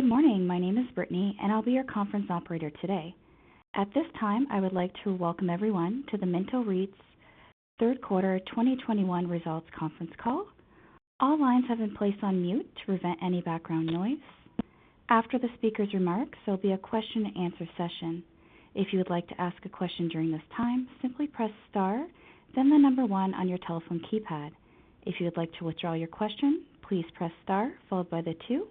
Good morning. My name is Brittany, and I'll be your conference operator today. At this time, I would like to welcome everyone to the Minto REIT's Third Quarter 2021 results conference call. All lines have been placed on mute to prevent any background noise. After the speaker's remarks, there'll be a question-and-answer session. If you would like to ask a question during this time, simply press star then the number 1 on your telephone keypad. If you would like to withdraw your question, please press star followed by the 2.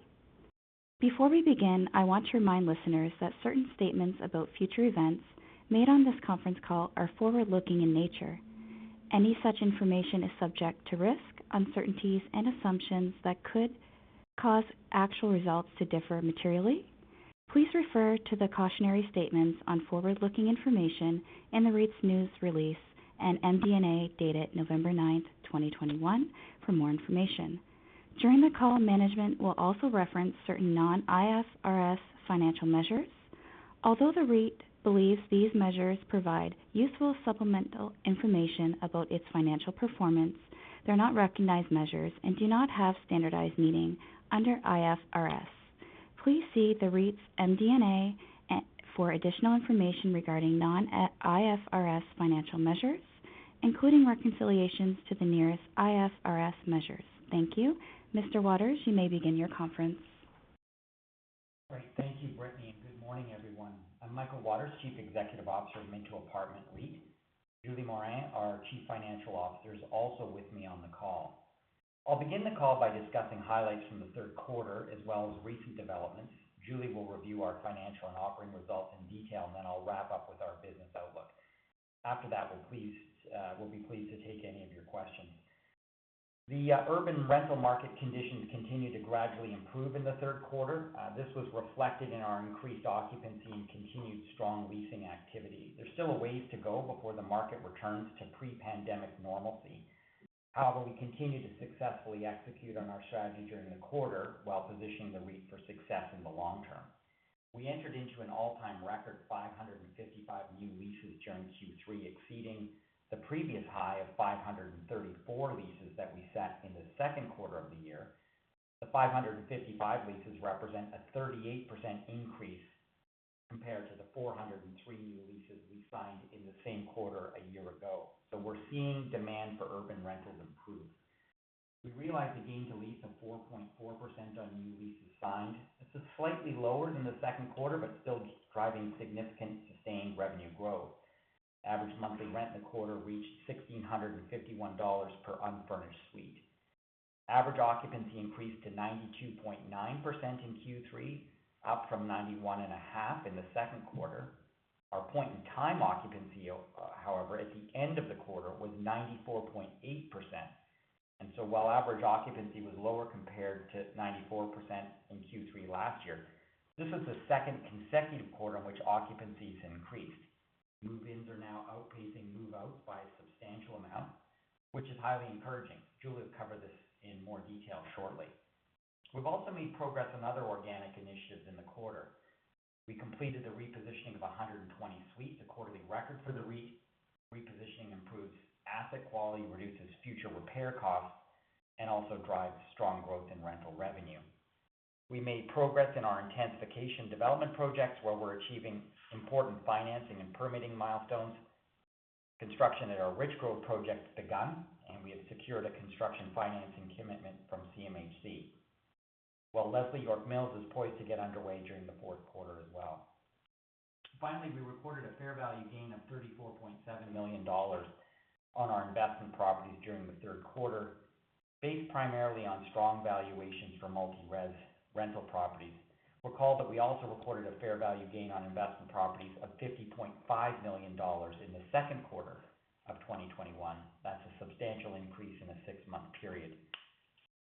Before we begin, I want to remind listeners that certain statements about future events made on this conference call are forward-looking in nature. Any such information is subject to risk, uncertainties, and assumptions that could cause actual results to differ materially. Please refer to the cautionary statements on forward-looking information in the REIT's news release and MD&A dated November 9, 2021 for more information. During the call, management will also reference certain non-IFRS financial measures. Although the REIT believes these measures provide useful supplemental information about its financial performance, they're not recognized measures and do not have standardized meaning under IFRS. Please see the REIT's MD&A for additional information regarding non-IFRS financial measures, including reconciliations to the nearest IFRS measures. Thank you. Mr. Waters, you may begin your conference. Great. Thank you, Brittany, and good morning, everyone. I'm Michael Waters, Chief Executive Officer of Minto Apartment REIT. Julie Morin, our Chief Financial Officer, is also with me on the call. I'll begin the call by discussing highlights from the Q3, as well as recent developments. Julie will review our financial and operating results in detail, and then I'll wrap up with our business outlook. After that, we'll be pleased to take any of your questions. The urban rental market conditions continued to gradually improve in the Q3. This was reflected in our increased occupancy and continued strong leasing activity. There's still a ways to go before the market returns to pre-pandemic normalcy. However, we continue to successfully execute on our strategy during the quarter while positioning the REIT for success in the long term. We entered into an all-time record 555 new leases during Q3, exceeding the previous high of 534 leases that we set in the Q2 of the year. The 555 leases represent a 38% increase compared to the 403 new leases we signed in the same quarter a year ago. We're seeing demand for urban rentals improve. We realized a gain to lease of 4.4% on new leases signed. This is slightly lower than the Q2 but still driving significant sustained revenue growth. Average monthly rent in the quarter reached 1,651 dollars per unfurnished suite. Average occupancy increased to 92.9% in Q3, up from 91.5% in the Q2. Our point-in-time occupancy, however, at the end of the quarter was 94.8%. While average occupancy was lower compared to 94% in Q3 last year, this is the second consecutive quarter in which occupancy has increased. Move-ins are now outpacing move-outs by a substantial amount, which is highly encouraging. Julie will cover this in more detail shortly. We've also made progress on other organic initiatives in the quarter. We completed the repositioning of 120 suites, a quarterly record for the REIT. Repositioning improves asset quality, reduces future repair costs, and also drives strong growth in rental revenue. We made progress in our intensification development projects, where we're achieving important financing and permitting milestones. Construction at our Richgrove project has begun, and we have secured a construction financing commitment from CMHC, while Leslie and York Mills is poised to get underway during the Q4 as well. Finally, we recorded a fair value gain of 34.7 million dollars on our investment properties during the Q3, based primarily on strong valuations for multi-res rental properties. Recall that we also recorded a fair value gain on investment properties of 50.5 million dollars in the Q2 of 2021. That's a substantial increase in a six-month period.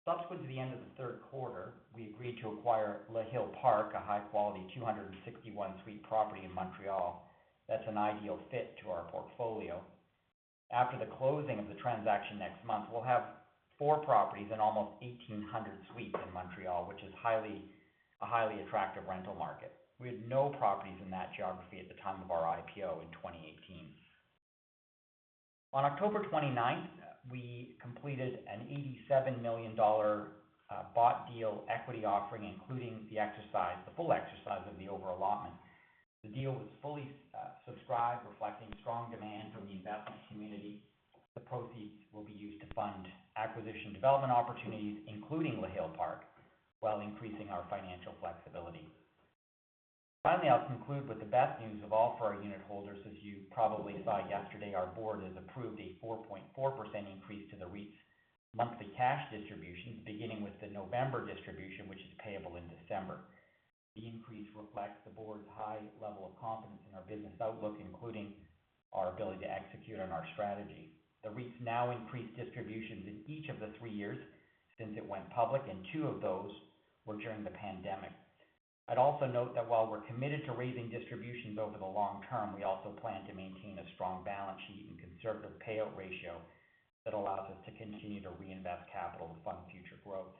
Subsequent to the end of the Q3, we agreed to acquire Le Hill-Park, a high-quality 261-suite property in Montreal. That's an ideal fit to our portfolio. After the closing of the transaction next month, we'll have four properties and almost 1,800 suites in Montreal, which is a highly attractive rental market. We had no properties in that geography at the time of our IPO in 2018. On October 29, we completed a 87 million dollar bought deal equity offering, including the full exercise of the over-allotment. The deal was fully subscribed, reflecting strong demand from the investment community. The proceeds will be used to fund acquisition development opportunities, including Le Hill-Park, while increasing our financial flexibility. Finally, I'll conclude with the best news of all for our unitholders. As you probably saw yesterday, our board has approved a 4.4% increase to the REIT's monthly cash distributions, beginning with the November distribution, which is payable in December. The increase reflects the board's high level of confidence in our business outlook, including our ability to execute on our strategy. The REIT has now increased distributions in each of the three years since it went public, and two of those were during the pandemic. I'd also note that while we're committed to raising distributions over the long term, we also plan to maintain a strong balance sheet and conservative payout ratio that allows us to continue to reinvest capital to fund future growth.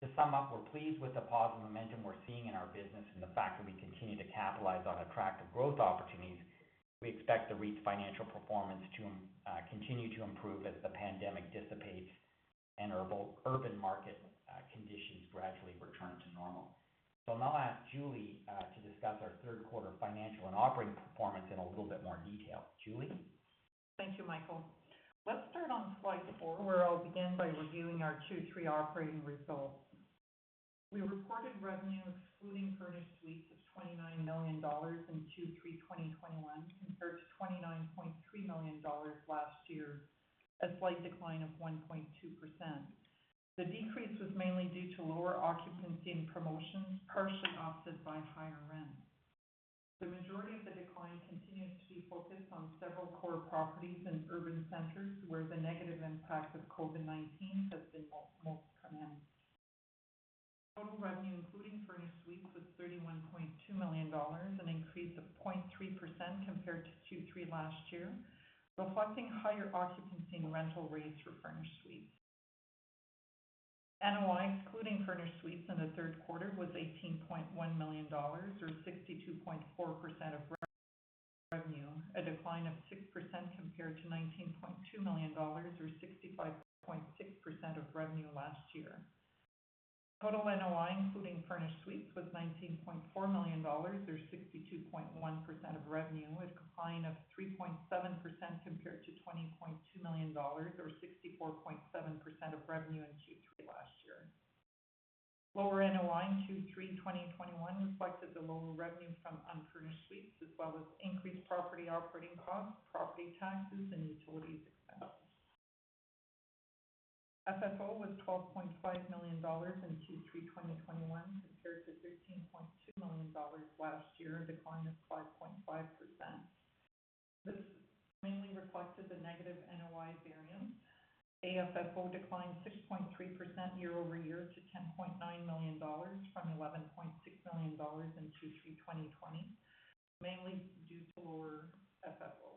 To sum up, we're pleased with the positive momentum we're seeing in our business and the fact that we continue to capitalize on attractive growth opportunities. We expect the REIT's financial performance to continue to improve as the pandemic dissipates and urban market conditions gradually return to normal. Now I'll ask Julie to discuss our Q3 financial and operating performance in a little bit more detail. Julie. Thank you, Michael. Let's start on slide four, where I'll begin by reviewing our Q3 operating results. We reported revenue excluding furnished suites of 29 million dollars in Q3 2021, compared to 29.3 million dollars last year, a slight decline of 1.2%. The decrease was mainly due to lower occupancy and promotions, partially offset by higher rents. The majority of the decline continues to be focused on several core properties in urban centers, where the negative impact of COVID-19 has been most prominent. Total revenue, including furnished suites, was 31.2 million dollars, an increase of 0.3% compared to Q3 last year, reflecting higher occupancy and rental rates for furnished suites. NOI, excluding furnished suites in the Q3, was 18.1 million dollars, or 62.4% of revenue, a decline of 6% compared to 19.2 million dollars or 65.6% of revenue last year. Total NOI, including furnished suites, was 19.4 million dollars or 62.1% of revenue, a decline of 3.7% compared to 20.2 million dollars or 64.7% of revenue in Q3 last year. Lower NOI in Q3 2021 reflected the lower revenue from unfurnished suites, as well as increased property operating costs, property taxes, and utilities expense. FFO was 12.5 million dollars in Q3 2021, compared to 13.2 million dollars last year, a decline of 5.5%. This mainly reflected the negative NOI variance. AFFO declined 6.3% year-over-year to 10.9 million dollars from 11.6 million dollars in Q3 2020, mainly due to lower FFO.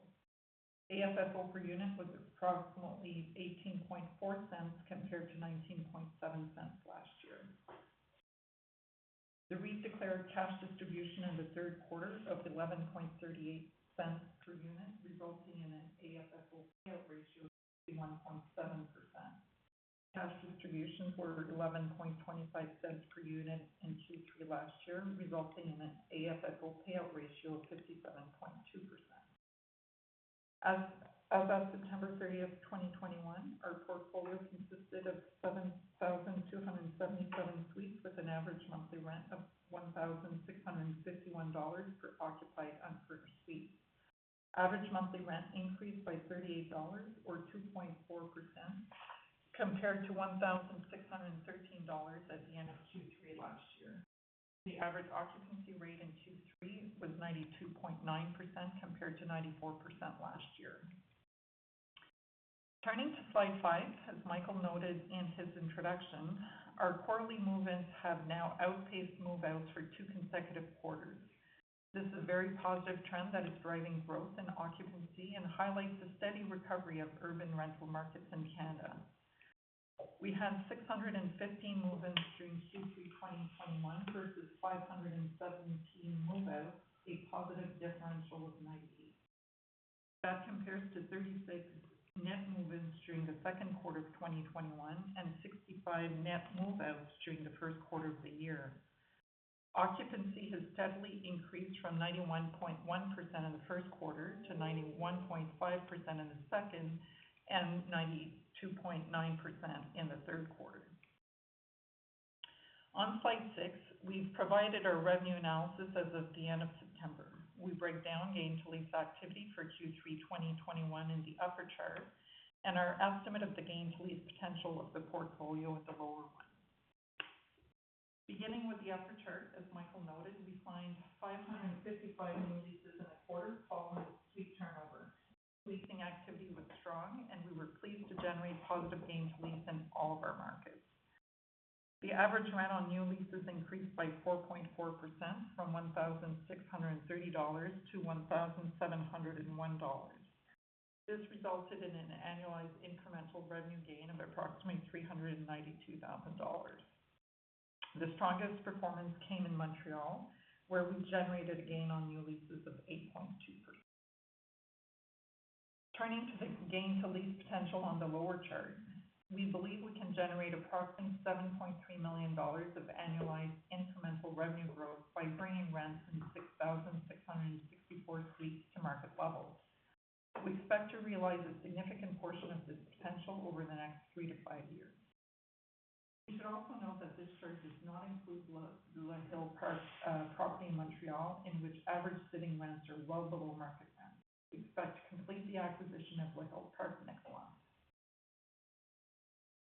AFFO per unit was approximately 0.184 compared to 0.197 last year. The REIT declared cash distribution in the Q3 of 0.1138 per unit, resulting in an AFFO payout ratio of 1.7%. Cash distributions were 0.1125 per unit in Q3 last year, resulting in an AFFO payout ratio of 57.2%. As of September 30, 2021, our portfolio consisted of 7,277 suites with an average monthly rent of 1,651 dollars per occupied unfurnished suite. Average monthly rent increased by 38 dollars or 2.4% compared to 1,613 dollars at the end of Q3 last year. The average occupancy rate in Q3 was 92.9% compared to 94% last year. Turning to slide five, as Michael noted in his introduction, our quarterly move-ins have now outpaced move-outs for two consecutive quarters. This is a very positive trend that is driving growth in occupancy and highlights the steady recovery of urban rental markets in Canada. We had 615 move-ins during Q3 2021 versus 517 move-outs, a positive differential of 90. That compares to 36 net move-ins during the Q2 of 2021 and 65 net move-outs during the Q1 of the year. Occupancy has steadily increased from 91.1% in the Q1 to 91.5% in the second and 92.9% in the Q3. On slide six, we've provided our revenue analysis as of the end of September. We break down gain to lease activity for Q3 2021 in the upper chart, and our estimate of the gain to lease potential of the portfolio in the lower one. Beginning with the upper chart, as Michael noted, we signed 555 new leases in the quarter following suite turnover. Leasing activity was strong, and we were pleased to generate positive gain to lease in all of our markets. The average rent on new leases increased by 4.4% from 1,630 dollars to 1,701 dollars. This resulted in an annualized incremental revenue gain of approximately 392 thousand dollars. The strongest performance came in Montreal, where we generated a gain on new leases of 8.2%. Turning to the gain to lease potential on the lower chart, we believe we can generate approximately 7.3 million dollars of annualized incremental revenue growth by bringing rents in 6,664 suites to market levels. We expect to realize a significant portion of this potential over the next 3 to 5 years. You should also note that this chart does not include the La Belle Court property in Montreal, in which average sitting rents are well below market rents. We expect to complete the acquisition of La Belle Court next month.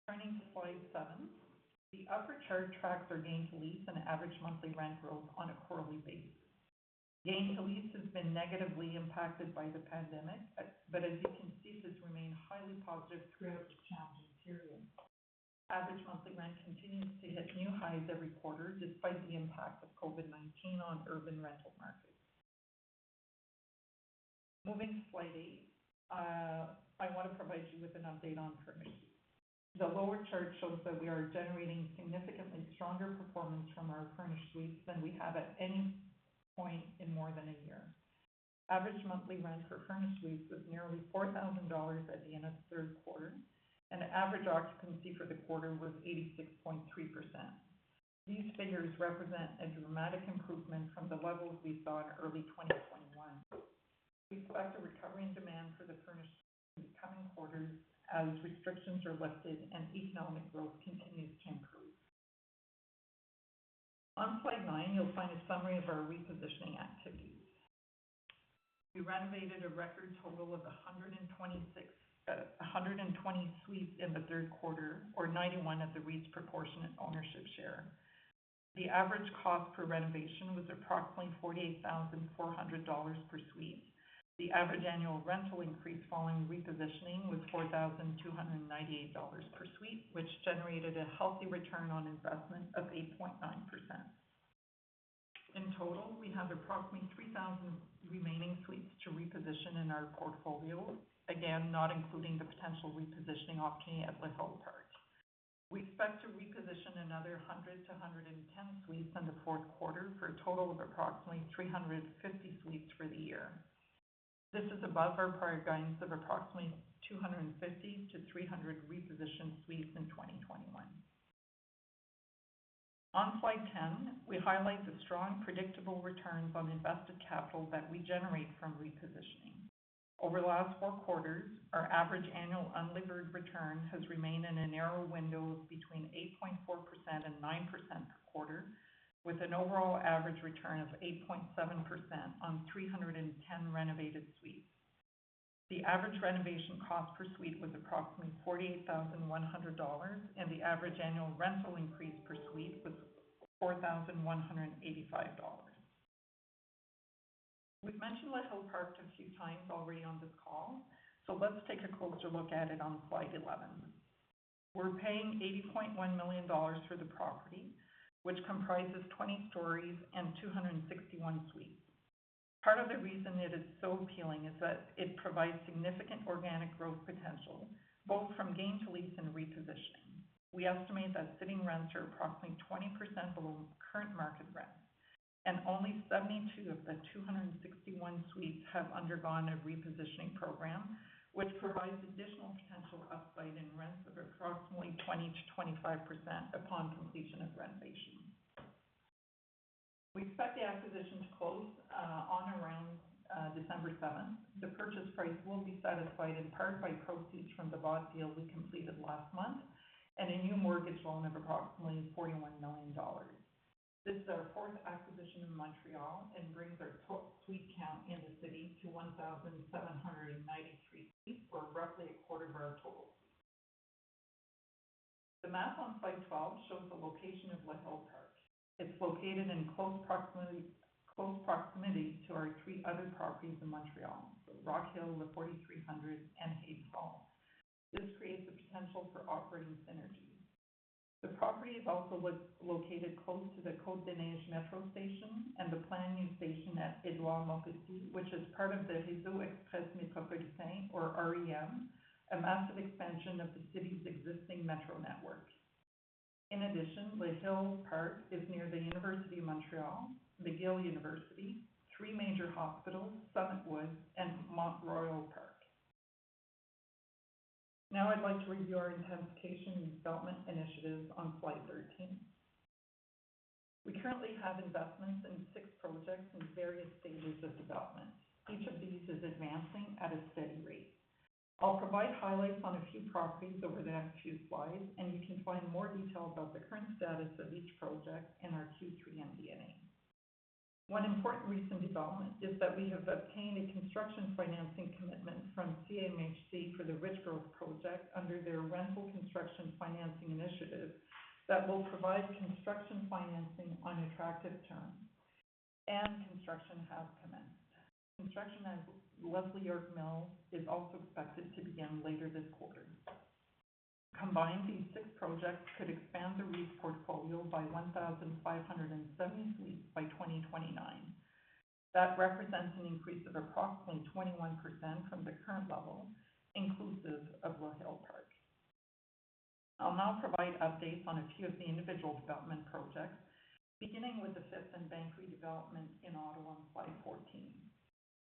Turning to slide seven, the upper chart tracks our gain to lease and average monthly rent growth on a quarterly basis. Gain to lease has been negatively impacted by the pandemic, but as you can see, this remained highly positive throughout this challenging period. Average monthly rent continues to hit new highs every quarter, despite the impact of COVID-19 on urban rental markets. Moving to slide eight, I want to provide you with an update on furnished suites. The lower chart shows that we are generating significantly stronger performance from our furnished suites than we have at any point in more than a year. Average monthly rent per furnished suites was nearly 4,000 dollars at the end of Q3, and average occupancy for the quarter was 86.3%. These figures represent a dramatic improvement from the levels we saw in early 2021. We expect a recovery in demand for the furnished in the coming quarters as restrictions are lifted and economic growth continues to improve. On slide nine, you'll find a summary of our repositioning activities. We renovated a record total of 120 suites in the Q3, or 91 of the REIT's proportionate ownership share. The average cost per renovation was approximately 48,400 dollars per suite. The average annual rental increase following repositioning was 4,298 dollars per suite, which generated a healthy return on investment of 8.9%. In total, we have approximately 3,000 remaining suites to reposition in our portfolio. Again, not including the potential repositioning opportunity at Le Hill-Park. We expect to reposition another 100-110 suites in the Q4 for a total of approximately 350 suites for the year. This is above our prior guidance of approximately 250-300 repositioned suites in 2021. On slide 10, we highlight the strong, predictable returns on invested capital that we generate from repositioning. Over the last four quarters, our average annual unlevered return has remained in a narrow window between 8.4% and 9% per quarter, with an overall average return of 8.7% on 310 renovated suites. The average renovation cost per suite was approximately 48,100 dollars, and the average annual rental increase per suite was 4,185 dollars. We've mentioned Le Hill-Park a few times already on this call, so let's take a closer look at it on slide 11. We're paying 80.1 million dollars for the property, which comprises 20 stories and 261 suites. Part of the reason it is so appealing is that it provides significant organic growth potential, both from gain to lease and repositioning. We estimate that sitting rents are approximately 20% below current market rents, and only 72 of the 261 suites have undergone a repositioning program, which provides additional potential upside in rents of approximately 20% to 25% upon completion of renovation. We expect the acquisition to close on around December 7. The purchase price will be satisfied in part by proceeds from the bought deal we completed last month, and a new mortgage loan of approximately 41 million dollars. This is our fourth acquisition in Montreal and brings our suite count in the city to 1,793 suites, or roughly a quarter of our total. The map on slide 12 shows the location of Le Hill-Park. It's located in close proximity to our three other properties in Montreal, Rockhill, Le 4300, and Haddon Hall. This creates the potential for operating synergies. The property is also located close to the Côte-des-Neiges Metro station and the planned new station at Édouard-Montpetit, which is part of the Réseau express métropolitain, or REM, a massive expansion of the city's existing metro network. In addition, Le Hill-Park is near the Université de Montréal, McGill University, 3 major hospitals, Summit Woods, and Mont-Royal Park. Now, I'd like to review our intensification and development initiatives on slide 13. We currently have investments in 6 projects in various stages of development. Each of these is advancing at a steady rate. I'll provide highlights on a few properties over the next few slides, and you can find more detail about the current status of each project in our Q3 MD&A. One important recent development is that we have obtained a construction financing commitment from CMHC for the Richgrove project under their Rental Construction Financing Initiative that will provide construction financing on attractive terms, and construction has commenced. Construction at Leslie York Mills is also expected to begin later this quarter. Combined, these six projects could expand the REIT's portfolio by 1,570 suites by 2029. That represents an increase of approximately 21% from the current level, inclusive of Le Hill-Park. I'll now provide updates on a few of the individual development projects, beginning with the Fifth and Bank redevelopment in Ottawa on slide 14.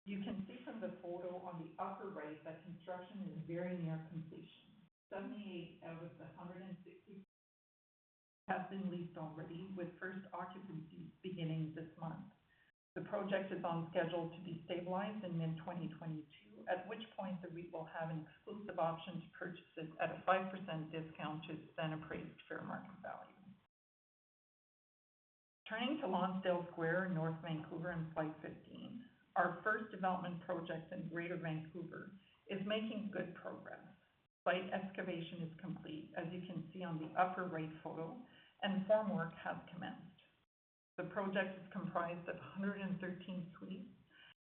You can see from the photo on the upper right that construction is very near completion. Seventy-eight out of the 160 suites have been leased already, with first occupancy beginning this month. The project is on schedule to be stabilized in mid-2022, at which point the REIT will have an exclusive option to purchase it at a 5% discount to then appraised fair market value. Turning to Lonsdale Square in North Vancouver in slide 15. Our first development project in Greater Vancouver is making good progress. Site excavation is complete, as you can see on the upper right photo, and formwork has commenced. The project is comprised of 113 suites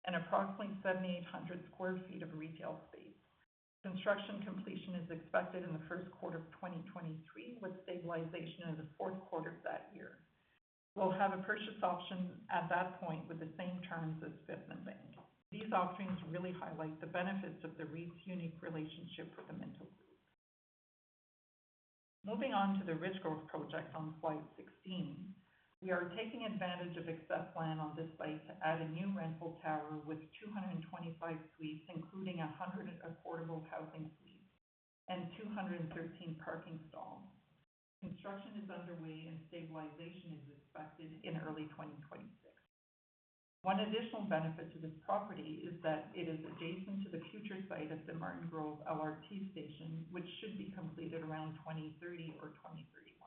and approximately 7,800 sq ft of retail space. Construction completion is expected in the Q1 of 2023, with stabilization in the Q4 of 2023. Will have a purchase option at that point with the same terms as Fifth and Bank. These offerings really highlight the benefits of the REIT's unique relationship with the Minto Group. Moving on to the Richgrove project on slide 16. We are taking advantage of excess land on this site to add a new rental tower with 225 suites, including 100 affordable housing suites and 213 parking stalls. Construction is underway and stabilization is expected in early 2026. One additional benefit to this property is that it is adjacent to the future site of the Martin Grove LRT station, which should be completed around 2030 or 2031.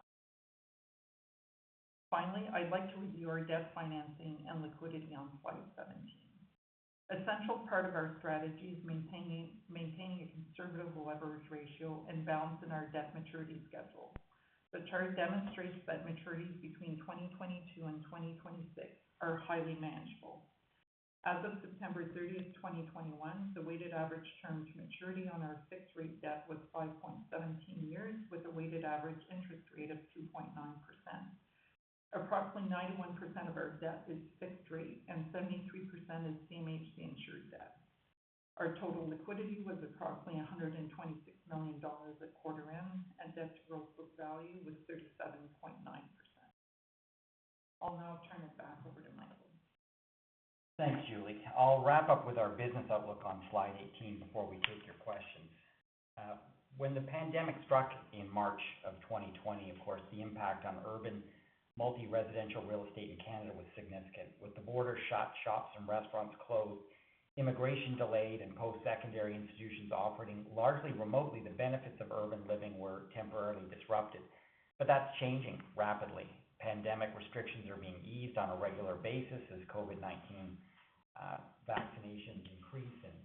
Finally, I'd like to review our debt financing and liquidity on slide 17. An essential part of our strategy is maintaining a conservative leverage ratio and balance in our debt maturity schedule. The chart demonstrates that maturities between 2022 and 2026 are highly manageable. As of September 30, 2021, the weighted average term to maturity on our fixed rate debt was 5.17 years, with a weighted average interest rate of 2.9%. Approximately 91% of our debt is fixed rate and 73% is CMHC insured debt. Our total liquidity was approximately 126 million dollars at quarter end, and debt to gross book value was 37.9%. I'll now turn it back over to Michael. Thanks, Julie. I'll wrap up with our business outlook on slide 18 before we take your questions. When the pandemic struck in March 2020, of course, the impact on urban multi-residential real estate in Canada was significant. With the border shut, shops and restaurants closed, immigration delayed, and post-secondary institutions operating largely remotely, the benefits of urban living were temporarily disrupted. That's changing rapidly. Pandemic restrictions are being eased on a regular basis as COVID-19 vaccinations increase and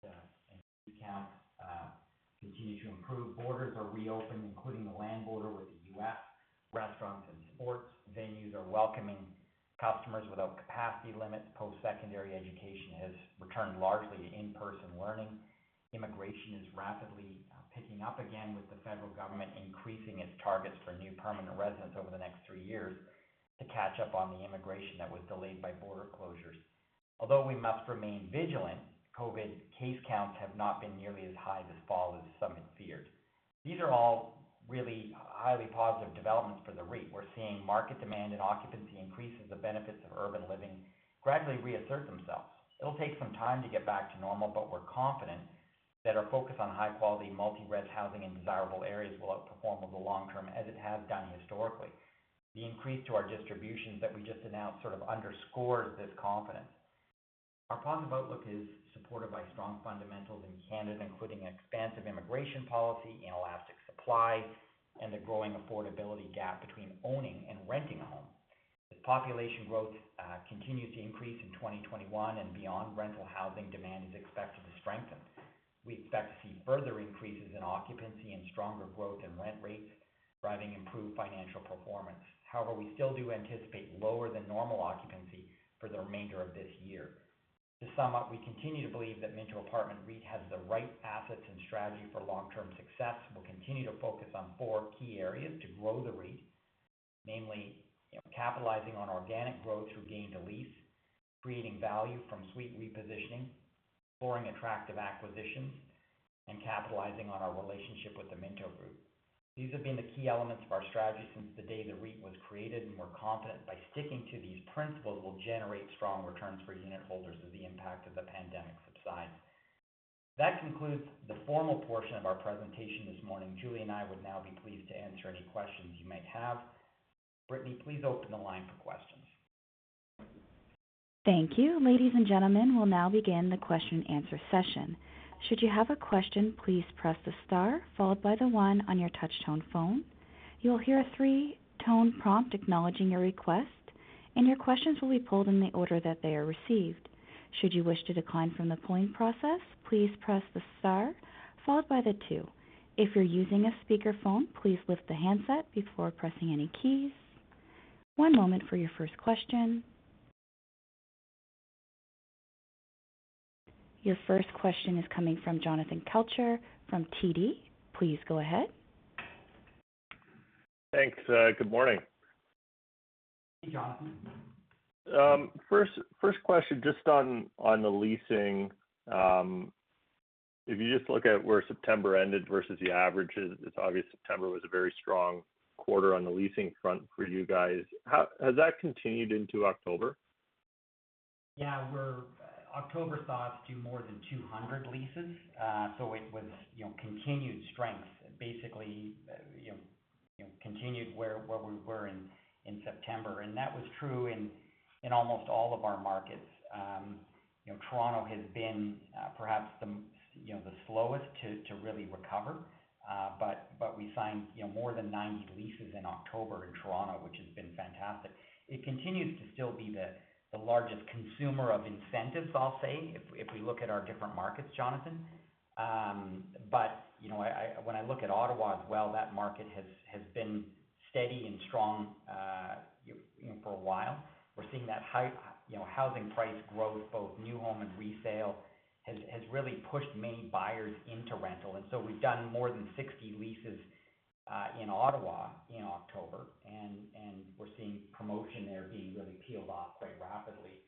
case counts continue to improve. Borders are reopened, including the land border with the U.S. Restaurants and sports venues are welcoming customers without capacity limits. Post-secondary education has returned largely to in-person learning. Immigration is rapidly picking up again, with the federal government increasing its targets for new permanent residents over the next three years to catch up on the immigration that was delayed by border closures. Although we must remain vigilant, COVID case counts have not been nearly as high this fall as some had feared. These are all really highly positive developments for the REIT. We're seeing market demand and occupancy increases. The benefits of urban living gradually reassert themselves. It'll take some time to get back to normal, but we're confident that our focus on high-quality multi-res housing in desirable areas will outperform over the long term, as it has done historically. The increase to our distributions that we just announced sort of underscored this confidence. Our positive outlook is supported by strong fundamentals in Canada, including expansive immigration policy, inelastic supply, and the growing affordability gap between owning and renting a home. As population growth continues to increase in 2021 and beyond, rental housing demand is expected to strengthen. We expect to see further increases in occupancy and stronger growth in rent rates, driving improved financial performance. However, we still do anticipate lower than normal occupancy for the remainder of this year. To sum up, we continue to believe that Minto Apartment REIT has the right assets and strategy for long-term success. We'll continue to focus on four key areas to grow the REIT, namely, capitalizing on organic growth through gain to lease, creating value from suite repositioning, exploring attractive acquisitions, and capitalizing on our relationship with the Minto Group. These have been the key elements of our strategy since the day the REIT was created, and we're confident by sticking to these principles, we'll generate strong returns for unitholders as the impact of the pandemic subsides. That concludes the formal portion of our presentation this morning. Julie and I would now be pleased to answer any questions you might have. Brittany, please open the line for questions. Thank you. Ladies and gentlemen, we'll now begin the question-answer session. Should you have a question, please press the star followed by the one on your touch tone phone. You will hear a three-tone prompt acknowledging your request, and your questions will be pulled in the order that they are received. Should you wish to decline from the polling process, please press the star followed by the two. If you're using a speakerphone, please lift the handset before pressing any keys. One moment for your first question. Your first question is coming from Jonathan Kelcher from TD. Please go ahead. Thanks. Good morning. Hey, Jonathan. First question just on the leasing. If you just look at where September ended versus the averages, it's obvious September was a very strong quarter on the leasing front for you guys. How has that continued into October? October saw us do more than 200 leases. It was, you know, continued strength, basically, you know, continued where we were in September, and that was true in almost all of our markets. Toronto has been, perhaps the, you know, the slowest to really recover. But we signed, you know, more than 90 leases in October in Toronto, which has been fantastic. It continues to still be the largest consumer of incentives, I'll say, if we look at our different markets, Jonathan. You know, when I look at Ottawa as well, that market has been steady and strong, you know, for a while. We're seeing that high, you know, housing price growth, both new home and resale has really pushed many buyers into rental. We've done more than 60 leases in Ottawa in October, and we're seeing promotion there being really peeled off very rapidly.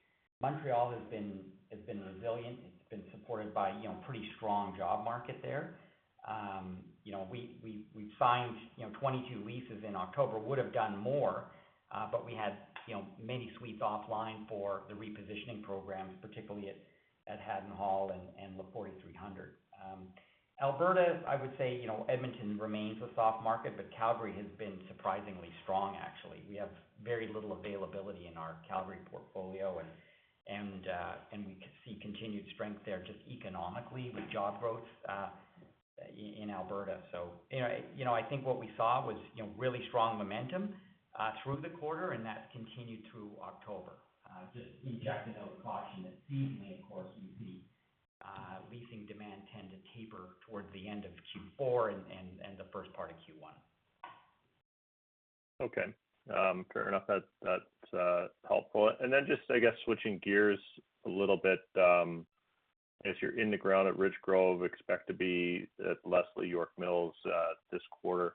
Montreal has been resilient. It's been supported by, you know, pretty strong job market there. You know, we signed 22 leases in October. Would have done more, but we had many suites offline for the repositioning program, particularly at Haddon Hall and Le 4300. Alberta, I would say, you know, Edmonton remains a soft market, but Calgary has been surprisingly strong actually. We have very little availability in our Calgary portfolio and we can see continued strength there just economically with job growth in Alberta. You know, I think what we saw was, you know, really strong momentum through the quarter, and that's continued through October. Just injecting a caution that seasonally, of course, you see, leasing demand tend to taper towards the end of Q4 and the first part of Q1. Okay. Fair enough. That's helpful. Then just I guess switching gears a little bit, as you're breaking ground at Richgrove, expect to be at Leslie York Mills this quarter.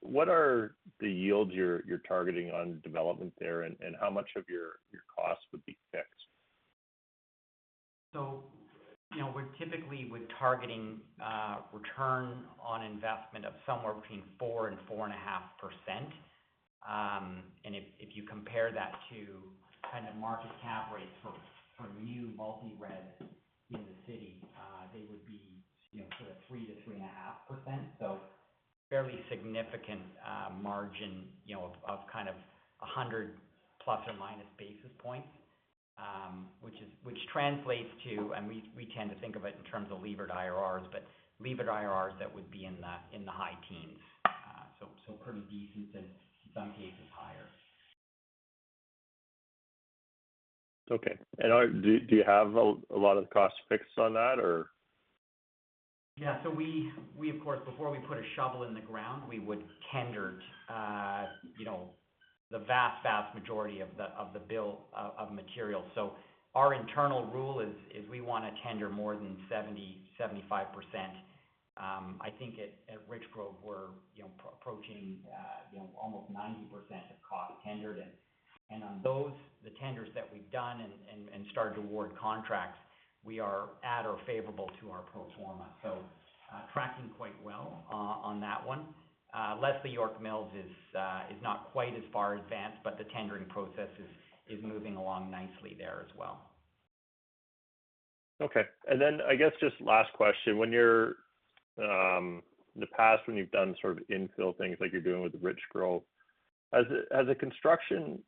What are the yields you're targeting on development there, and how much of your costs would be fixed? You know, we're typically targeting return on investment of somewhere between 4% and 4.5%. If you compare that to kind of market cap rates for new multi-res in the city, they would be, you know, sort of 3% to 3.5%. Fairly significant margin, you know, of kind of 100 plus or minus basis points, which translates to. We tend to think of it in terms of levered IRRs, but levered IRRs that would be in the high teens. So pretty decent, in some cases higher. Okay. Do you have a lot of the costs fixed on that or? We of course, before we put a shovel in the ground, would tender you know the vast majority of the bill of material. Our internal rule is we wanna tender more than 70%-75%. I think at Richgrove we're you know approaching you know almost 90% of cost tendered. On those, the tenders that we've done and started to award contracts, we are at or favorable to our pro forma. Tracking quite well on that one. Leslie York Mills is not quite as far advanced, but the tendering process is moving along nicely there as well. Okay. I guess just last question. In the past, when you've done sort of infill things like you're doing with Richgrove, has the construction,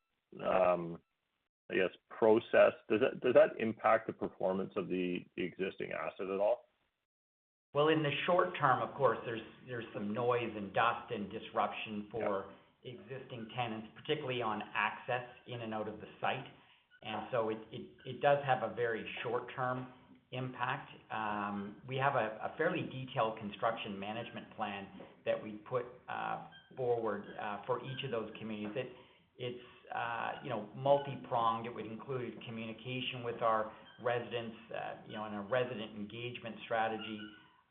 I guess process, does that impact the performance of the existing asset at all? Well, in the short term, of course, there's some noise and dust and disruption. Yeah... existing tenants, particularly on access in and out of the site. It does have a very short-term impact. We have a fairly detailed construction management plan that we put forward for each of those communities. It's, you know, multi-pronged. It would include communication with our residents, you know, and a resident engagement strategy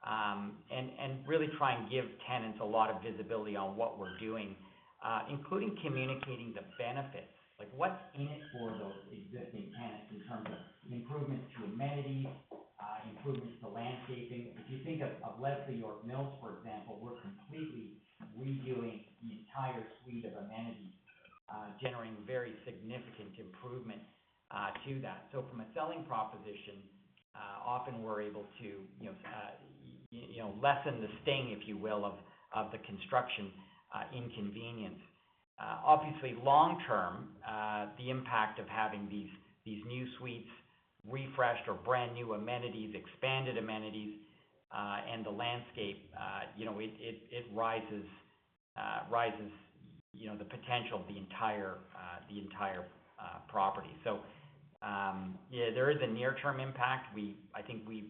and really try and give tenants a lot of visibility on what we're doing, including communicating the benefits. Like, what's in it for those existing tenants in terms of improvements to amenities, improvements to landscaping. If you think of Leslie York Mills, for example, we're completely redoing the entire suite of amenities, generating very significant improvement to that. From a selling proposition, often we're able to, you know, lessen the sting, if you will, of the construction inconvenience. Obviously long term, the impact of having these new suites refreshed or brand new amenities, expanded amenities, and the landscape, you know, it rises the potential of the entire property. Yeah, there is a near term impact. I think we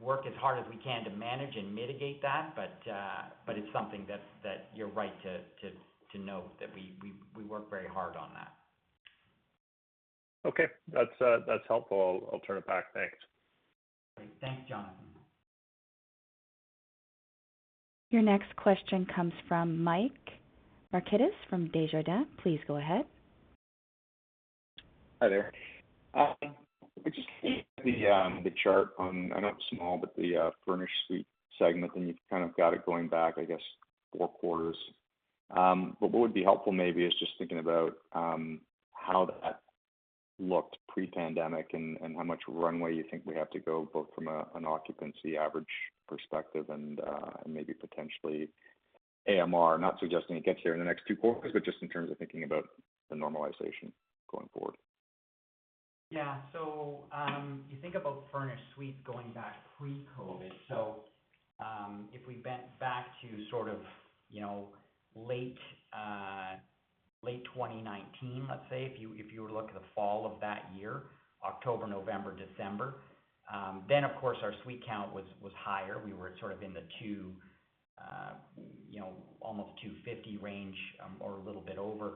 work as hard as we can to manage and mitigate that, but it's something that's. You're right to note that we work very hard on that. Okay. That's helpful. I'll turn it back. Thanks. Thanks, Jonathan. Your next question comes from Mike Markidis from Desjardins. Please go ahead. Hi there. I just looked at the chart on, I know it's small, but the furnished suite segment, and you've kind of got it going back, I guess four quarters. What would be helpful maybe is just thinking about how that looked pre-pandemic and how much runway you think we have to go both from an occupancy average perspective and maybe potentially AMR. Not suggesting it gets there in the next two quarters, but just in terms of thinking about the normalization going forward. Yeah. You think about furnished suites going back pre-COVID. If we went back to sort of, you know, late 2019, let's say, if you were to look at the fall of that year, October, November, December, then of course our suite count was higher. We were sort of almost 250 range or a little bit over.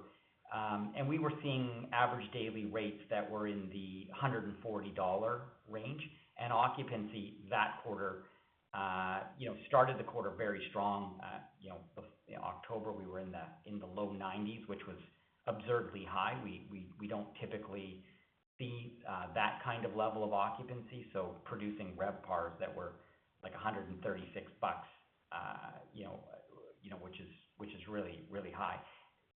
And we were seeing average daily rates that were in the 140 dollar range. Occupancy that quarter, you know, started the quarter very strong. You know, October we were in the low 90s%, which was absurdly high. We don't typically see that kind of level of occupancy, so producing RevPARs that were like 136 bucks, you know, which is really high.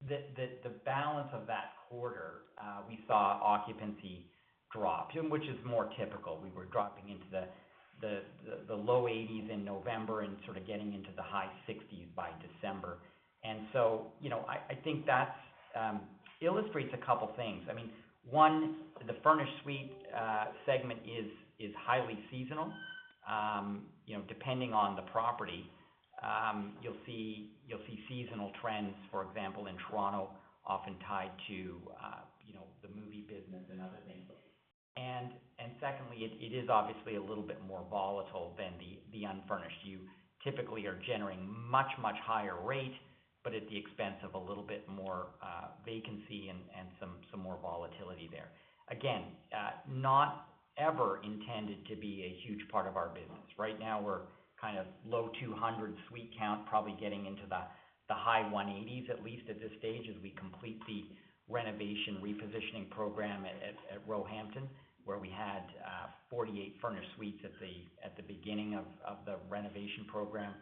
The balance of that quarter, we saw occupancy drop, which is more typical. We were dropping into the low 80s in November and sort of getting into the high 60s by December. You know, I think that illustrates a couple things. I mean, one, the furnished suite segment is highly seasonal. You know, depending on the property, you'll see seasonal trends, for example, in Toronto, often tied to you know, the movie business and other things. Secondly, it is obviously a little bit more volatile than the unfurnished. You typically are generating much, much higher rate, but at the expense of a little bit more vacancy and some more volatility there. Again, not ever intended to be a huge part of our business. Right now we're kind of low 200 suite count, probably getting into the high 180s, at least at this stage, as we complete the renovation repositioning program at Roehampton, where we had 48 furnished suites at the beginning of the renovation program.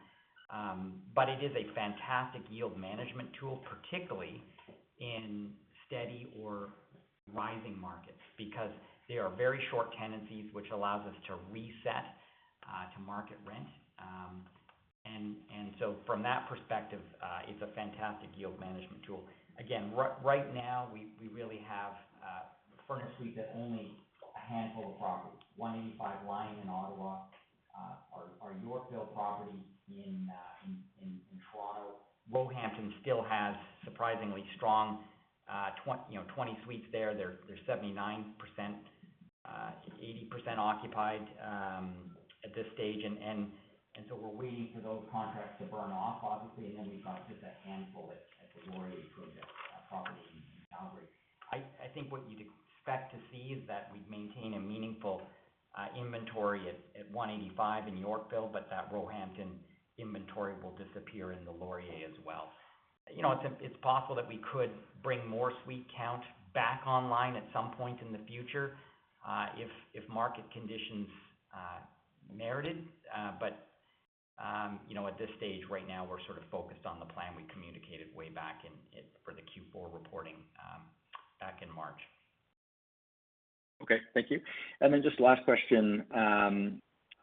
It is a fantastic yield management tool, particularly in steady or rising markets because they are very short tenancies, which allows us to reset to market rent. From that perspective, it's a fantastic yield management tool. Again, right now we really have furnished suite at only a handful of properties. One80five in Ottawa, our Yorkville property in Toronto. Roehampton still has surprisingly strong, you know, 20 suites there. They're 79%-80% occupied at this stage. We're waiting for those contracts to burn off, obviously. We've got just a handful at the Laurier project property in Calgary. I think what you'd expect to see is that we maintain a meaningful inventory at 185 in Yorkville, but that Roehampton inventory will disappear in the Laurier as well. You know, it's possible that we could bring more suite count back online at some point in the future, if market conditions merited. You know, at this stage right now, we're sort of focused on the plan we communicated way back in for the Q4 reporting, back in March. Okay, thank you. Then just last question.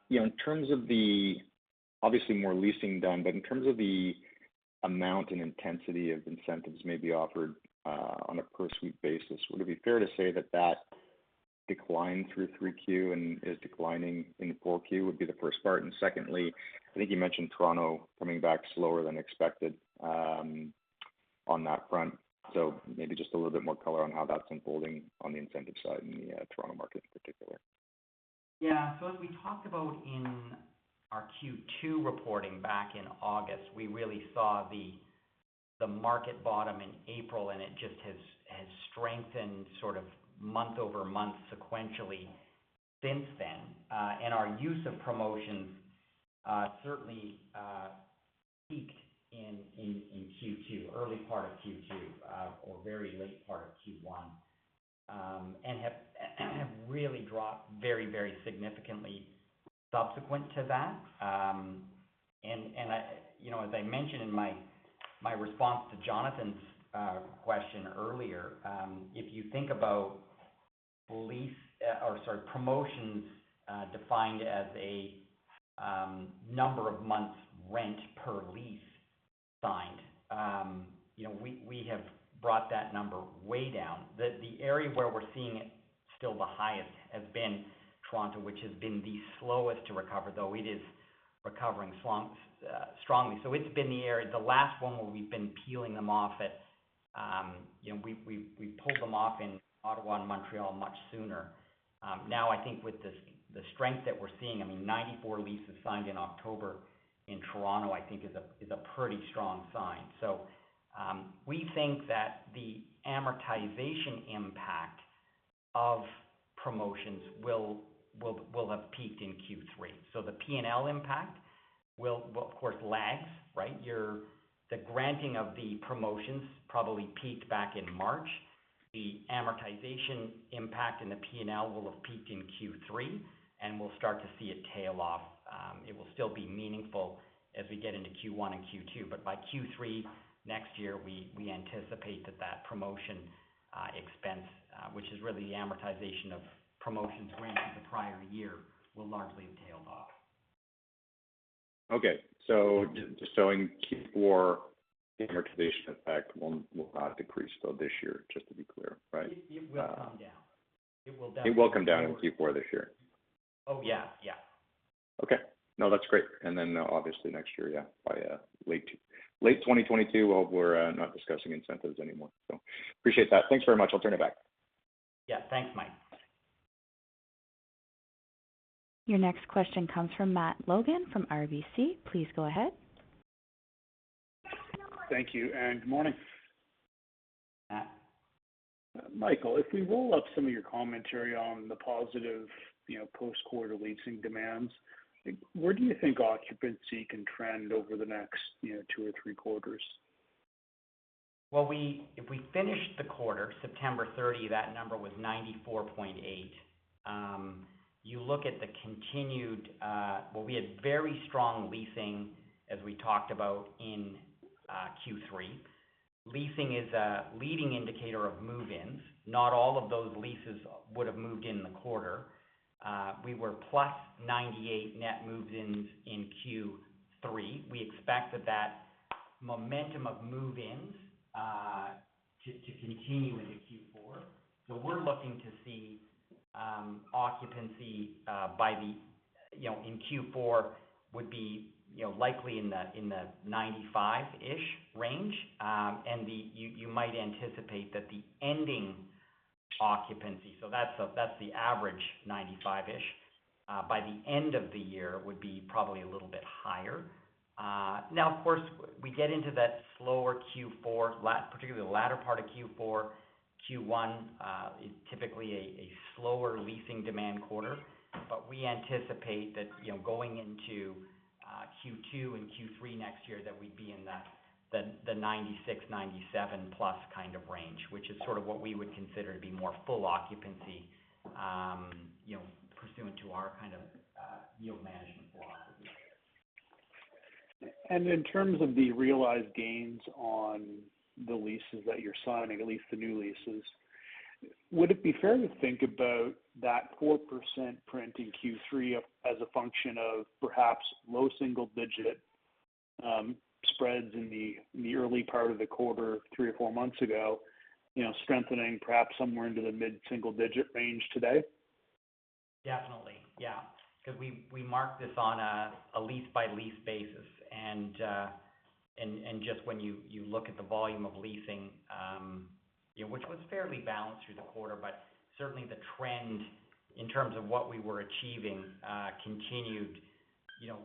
You know, in terms of the, obviously more leasing done, but in terms of the amount and intensity of incentives may be offered, on a per suite basis, would it be fair to say that declined through Q3 and is declining in Q4, would be the first part. Secondly, I think you mentioned Toronto coming back slower than expected, on that front. Maybe just a little bit more color on how that's unfolding on the incentive side in the Toronto market in particular. Yeah. As we talked about in our Q2 reporting back in August, we really saw the market bottom in April, and it just has strengthened sort of month-over-month sequentially since then. Our use of promotions certainly peaked in Q2, early part of Q2, or very late part of Q1, and have really dropped very significantly subsequent to that. You know, as I mentioned in my response to Jonathan's question earlier, if you think about promotions defined as a number of months rent per lease signed, you know, we have brought that number way down. The area where we're seeing it still the highest has been Toronto, which has been the slowest to recover, though it is recovering strongly. It's been the area, the last one where we've been peeling them off at. You know, we pulled them off in Ottawa and Montreal much sooner. Now I think with the strength that we're seeing, I mean, 94 leases signed in October in Toronto, I think is a pretty strong sign. We think that the amortization impact of promotions will have peaked in Q3. The P&L impact will of course lag, right? The granting of the promotions probably peaked back in March. The amortization impact in the P&L will have peaked in Q3, and we'll start to see it tail off. It will still be meaningful as we get into Q1 and Q2, but by Q3 next year, we anticipate that promotion expense, which is really the amortization of promotions granted the prior year, will largely have tailed off. Okay. Just so in Q4, the amortization effect will not decrease though this year, just to be clear, right? It will come down. It will definitely. It will come down in Q4 this year. Oh, yeah. Okay. No, that's great. Obviously next year, yeah, by late 2022, we're not discussing incentives anymore. Appreciate that. Thanks very much. I'll turn it back. Yeah. Thanks, Mike. Your next question comes from Matt Logan from RBC. Please go ahead. Thank you, and good morning. Michael, if we roll up some of your commentary on the positive, you know, post-quarter leasing demands, like where do you think occupancy can trend over the next, you know, two or three quarters? Well, if we finish the quarter, September 30, that number was 94.8%. We had very strong leasing as we talked about in Q3. Leasing is a leading indicator of move-ins. Not all of those leases would have moved in the quarter. We were +98 net move-ins in Q3. We expect that momentum of move-ins to continue into Q4. We're looking to see occupancy by the, you know, in Q4 would be, you know, likely in the 95-ish% range. You might anticipate that the ending occupancy, so that's the average 95-ish%, by the end of the year would be probably a little bit higher. Now of course, we get into that slower Q4, particularly the latter part of Q4. Q1 is typically a slower leasing demand quarter. We anticipate that, you know, going into Q2 and Q3 next year, that we'd be in the 96%-97%+ kind of range, which is sort of what we would consider to be more full occupancy, you know, pursuant to our kind of yield management philosophy. In terms of the realized gains on the leases that you're signing, at least the new leases, would it be fair to think about that 4% print in Q3 as a function of perhaps low single-digit spreads in the early part of the quarter, three or four months ago, you know, strengthening perhaps somewhere into the mid-single-digit range today? Definitely, yeah. Because we mark this on a lease-by-lease basis. Just when you look at the volume of leasing, you know, which was fairly balanced through the quarter, but certainly the trend in terms of what we were achieving continued, you know,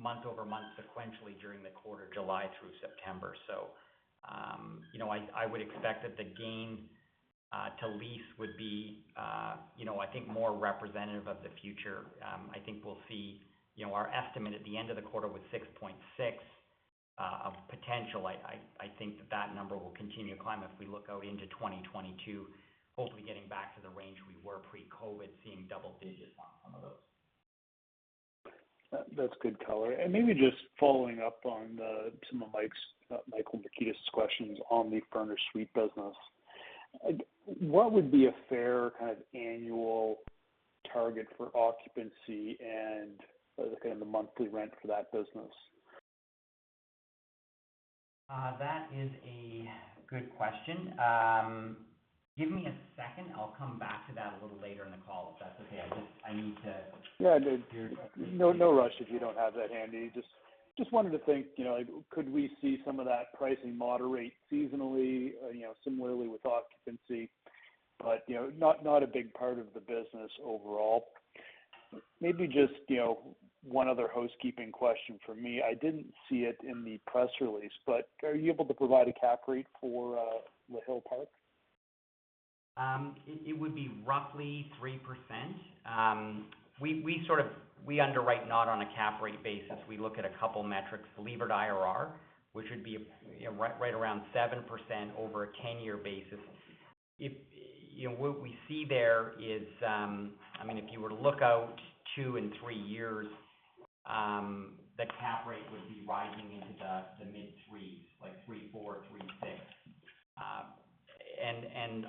month-over-month sequentially during the quarter July through September. I would expect that the gain to lease would be, you know, I think more representative of the future. I think we'll see, you know, our estimate at the end of the quarter was 6.6 of potential. I think that number will continue to climb if we look out into 2022, hopefully getting back to the range we were pre-COVID, seeing double digits on some of those. That's good color. Maybe just following up on some of Mike Markidis' questions on the Furnished Suite business. What would be a fair kind of annual target for occupancy and kind of the monthly rent for that business? That is a good question. Give me a second. I'll come back to that a little later in the call, if that's okay. I just need to. Yeah. No rush if you don't have that handy. Just wanted to think, you know, could we see some of that pricing moderate seasonally, you know, similarly with occupancy? You know, not a big part of the business overall. Maybe just, you know, one other housekeeping question from me. I didn't see it in the press release, but are you able to provide a cap rate for Le Hill-Park? It would be roughly 3%. We underwrite not on a cap rate basis. We look at a couple of metrics, levered IRR, which would be, you know, right around 7% over a 10-year basis. You know, what we see there is, I mean, if you were to look out two and three years, the cap rate would be rising into the mid-threes, like 3.4, 3.6.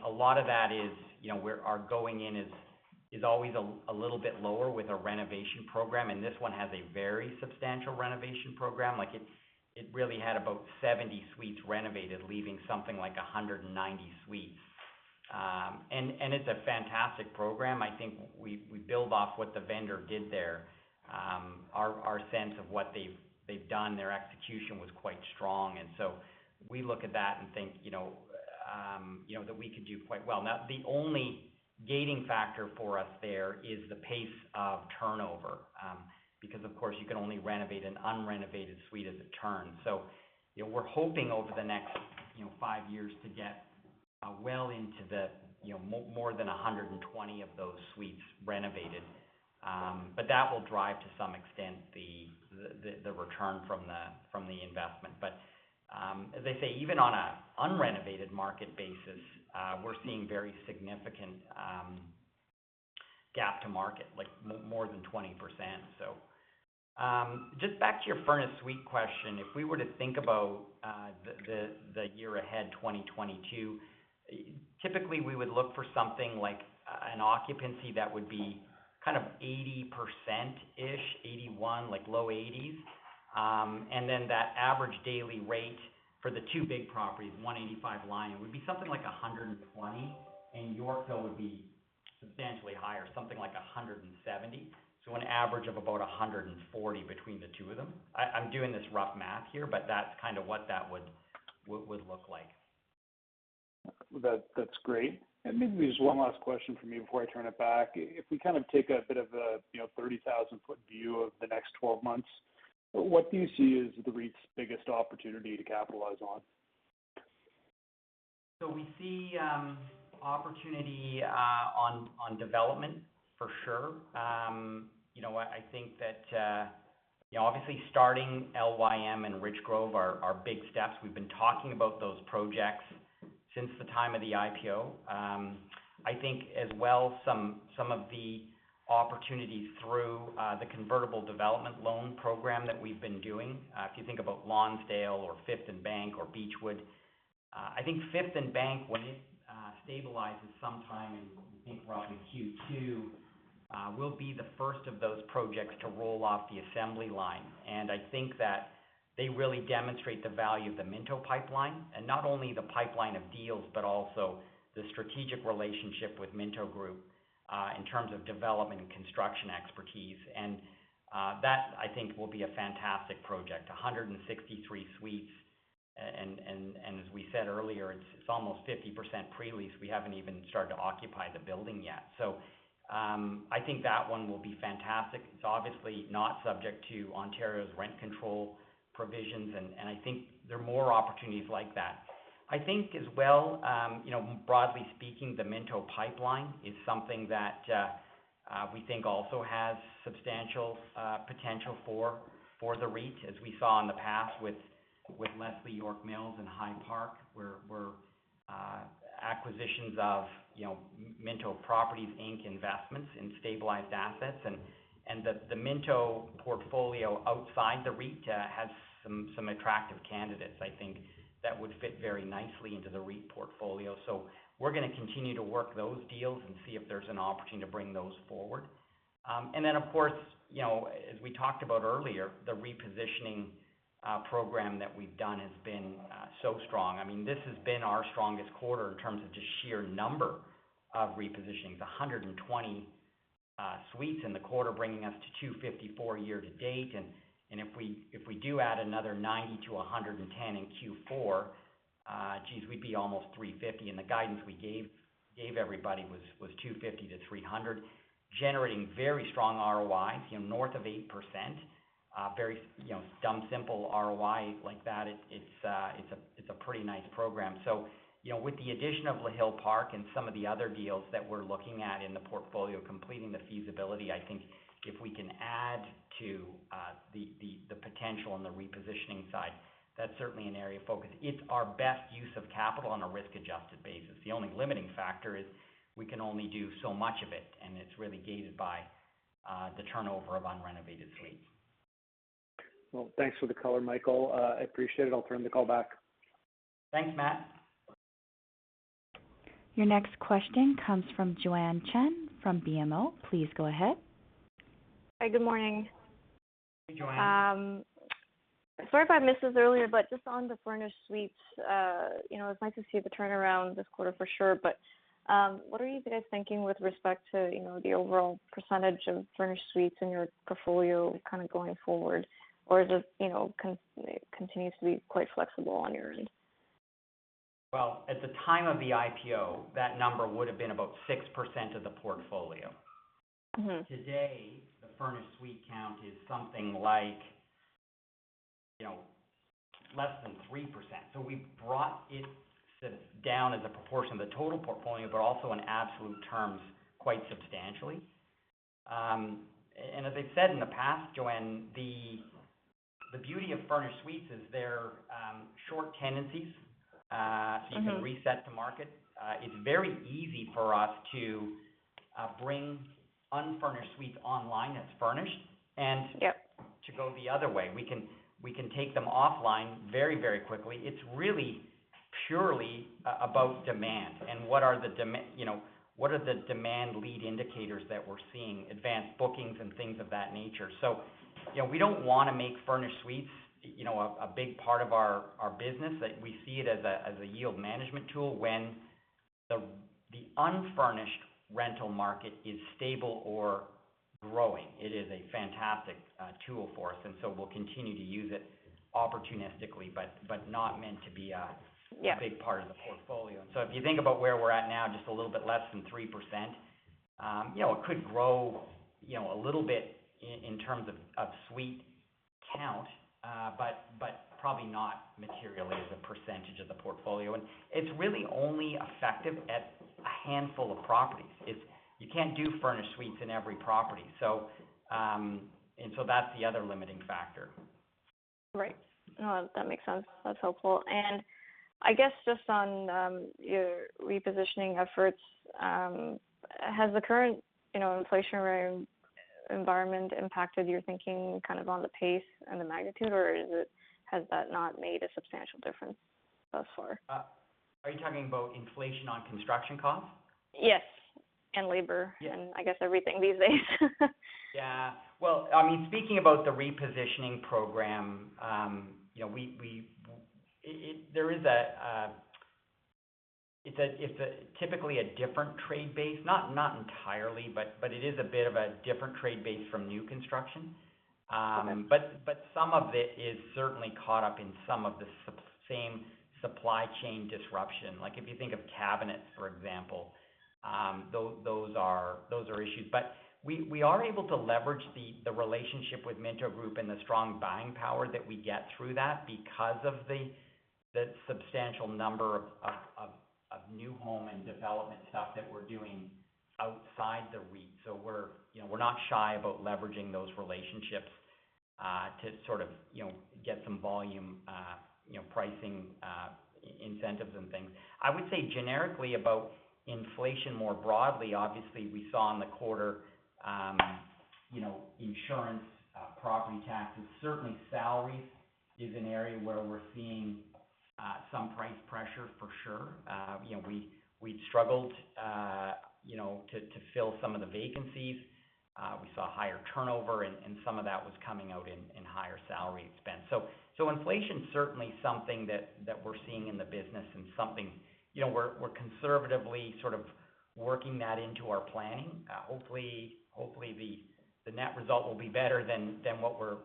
A lot of that is, you know, our going in is always a little bit lower with a renovation program, and this one has a very substantial renovation program. It really had about 70 suites renovated, leaving something like 190 suites. It's a fantastic program. I think we build off what the vendor did there. Our sense of what they've done, their execution was quite strong. We look at that and think, you know, you know, that we could do quite well. Now, the only gating factor for us there is the pace of turnover, because of course, you can only renovate an unrenovated suite as a turn. You know, we're hoping over the next, you know, five years to get well into the, you know, more than 120 of those suites renovated. But that will drive to some extent the return from the investment. As I say, even on a unrenovated market basis, we're seeing very significant gap to market, like more than 20%. Just back to your furnished suite question. If we were to think about the year ahead, 2022, typically we would look for something like an occupancy that would be kind of 80%-ish, 81, like low 80s. And then that average daily rate for the two big properties, One80five, it would be something like 120, and Yorkville would be substantially higher, something like 170. An average of about 140 between the two of them. I'm doing this rough math here, but that's kind of what that would look like. That, that's great. Maybe just one last question from me before I turn it back. If we kind of take a bit of a, you know, 30,000-foot view of the next 12 months. What do you see is the REIT's biggest opportunity to capitalize on? We see opportunity on development for sure. You know, I think that you know, obviously starting LYM and Richgrove are big steps. We've been talking about those projects since the time of the IPO. I think as well, some of the opportunities through the convertible development loan program that we've been doing, if you think about Lonsdale or Fifth and Bank or Beechwood. I think Fifth and Bank, when it stabilizes sometime in, we think we're out in Q2, will be the first of those projects to roll off the assembly line. I think that they really demonstrate the value of the Minto pipeline, and not only the pipeline of deals, but also the strategic relationship with Minto Group in terms of development and construction expertise. That I think will be a fantastic project. 163 suites. As we said earlier, it's almost 50% pre-leased. We haven't even started to occupy the building yet. I think that one will be fantastic. It's obviously not subject to Ontario's rent control provisions, and I think there are more opportunities like that. I think as well, you know, broadly speaking, the Minto pipeline is something that we think also has substantial potential for the REIT, as we saw in the past with Leslie York Mills and High Park, where acquisitions of, you know, Minto Properties Inc. investments in stabilized assets. The Minto portfolio outside the REIT has some attractive candidates, I think, that would fit very nicely into the REIT portfolio. We're gonna continue to work those deals and see if there's an opportunity to bring those forward. Of course, you know, as we talked about earlier, the repositioning program that we've done has been so strong. I mean, this has been our strongest quarter in terms of just sheer number of repositionings. 120 suites in the quarter, bringing us to 254 year-to-date. If we do add another 90 to 110 in Q4, geez, we'd be almost 350. The guidance we gave everybody was 250 to 300, generating very strong ROIs, you know, north of 8%. Very, you know, dumb simple ROI like that. It's a pretty nice program. You know, with the addition of Le Hill-Park and some of the other deals that we're looking at in the portfolio, completing the feasibility, I think if we can add to the potential on the repositioning side, that's certainly an area of focus. It's our best use of capital on a risk-adjusted basis. The only limiting factor is we can only do so much of it, and it's really gated by the turnover of unrenovated suites. Well, thanks for the color, Michael. I appreciate it. I'll turn the call back. Thanks, Matt. Your next question comes from Joanne Chen from BMO. Please go ahead. Hi. Good morning. Hey, Joanne. Sorry if I missed this earlier, but just on the furnished suites, you know, it's nice to see the turnaround this quarter for sure but, what are you guys thinking with respect to, you know, the overall percentage of furnished suites in your portfolio kind of going forward? Or is it, you know, continues to be quite flexible on your end? Well, at the time of the IPO, that number would've been about 6% of the portfolio. Mm-hmm. Today, the furnished suite count is something like, you know, less than 3%. We've brought it down as a proportion of the total portfolio, but also in absolute terms, quite substantially. And as I've said in the past, Joanne, the beauty of furnished suites is they're short tenancies. Mm-hmm... you can reset the market. It's very easy for us to bring unfurnished suites online as furnished and- Yep To go the other way. We can take them offline very quickly. It's really purely about demand and what are the demand lead indicators that we're seeing, advanced bookings and things of that nature. You know, we don't wanna make furnished suites a big part of our business. We see it as a yield management tool when the unfurnished rental market is stable or growing. It is a fantastic tool for us, and we'll continue to use it opportunistically, but not meant to be a Yep a big part of the portfolio. If you think about where we're at now, just a little bit less than 3%, you know, it could grow, you know, a little bit in terms of suite count. Probably not materially as a percentage of the portfolio. It's really only effective at a handful of properties. You can't do furnished suites in every property. That's the other limiting factor. Right. No, that makes sense. That's helpful. I guess just on your repositioning efforts, has the current, you know, inflationary environment impacted your thinking kind of on the pace and the magnitude, or has that not made a substantial difference thus far? Are you talking about inflation on construction costs? Yes. Yeah I guess everything these days. Yeah. Well, I mean, speaking about the repositioning program, you know, it's typically a different trade base. Not entirely, but it is a bit of a different trade base from new construction. Okay But some of it is certainly caught up in some of the same supply chain disruption. Like, if you think of cabinets, for example, those are issues. We are able to leverage the relationship with Minto Group and the strong buying power that we get through that because of the substantial number of new home and development stuff that we're doing outside the REIT. We're, you know, not shy about leveraging those relationships, you know, to sort of, you know, get some volume, you know, pricing, incentives and things. I would say generically about inflation more broadly, obviously we saw in the quarter, you know, insurance, property taxes. Certainly salary is an area where we're seeing some price pressure for sure. You know, we struggled to fill some of the vacancies. We saw higher turnover and some of that was coming out in higher salary expense. Inflation's certainly something that we're seeing in the business and something you know we're conservatively sort of working that into our planning. Hopefully the net result will be better than what we're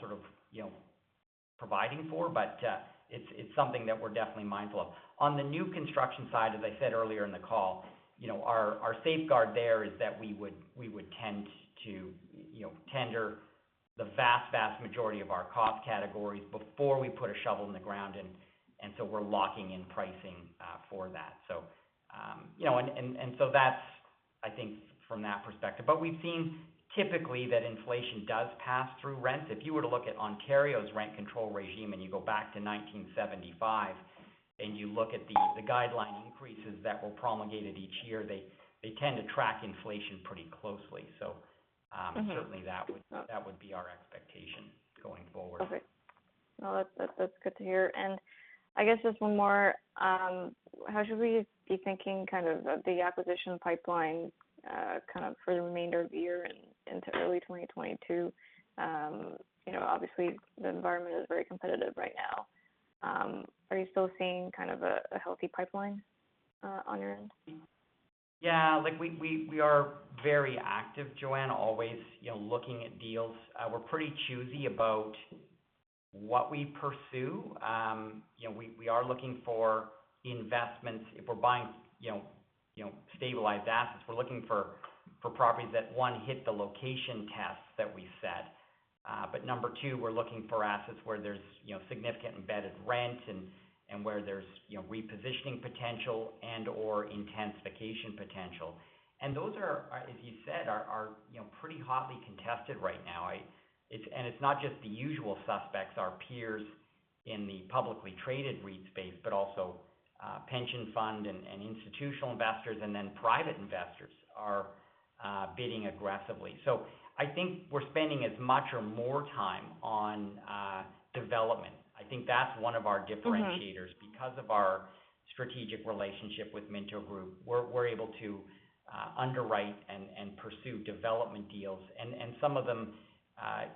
sort of you know providing for. It's something that we're definitely mindful of. On the new construction side, as I said earlier in the call, you know, our safeguard there is that we would tend to you know tender the vast majority of our cost categories before we put a shovel in the ground. We're locking in pricing for that. You know, and so that's, I think from that perspective. We've seen typically that inflation does pass through rent. If you were to look at Ontario's rent control regime and you go back to 1975 and you look at the guideline increases that were promulgated each year, they tend to track inflation pretty closely. Mm-hmm Certainly that would be our expectation going forward. Okay. No, that's good to hear. I guess just one more. How should we be thinking kind of the acquisition pipeline, kind of for the remainder of the year and into early 2022? You know, obviously the environment is very competitive right now. Are you still seeing kind of a healthy pipeline, on your end? Yeah. Like we are very active, Joanne, always, you know, looking at deals. We're pretty choosy about what we pursue. You know, we are looking for investments. If we're buying, you know, stabilized assets, we're looking for properties that, one, hit the location tests that we set. But number two, we're looking for assets where there's, you know, significant embedded rent and where there's, you know, repositioning potential and/or intensification potential. Those are, as you said, pretty hotly contested right now. It's not just the usual suspects, our peers in the publicly traded REIT space, but also pension fund and institutional investors, and then private investors are bidding aggressively. I think we're spending as much or more time on development. I think that's one of our differentiators. Mm-hmm. Because of our strategic relationship with Minto Group, we're able to underwrite and pursue development deals. Some of them,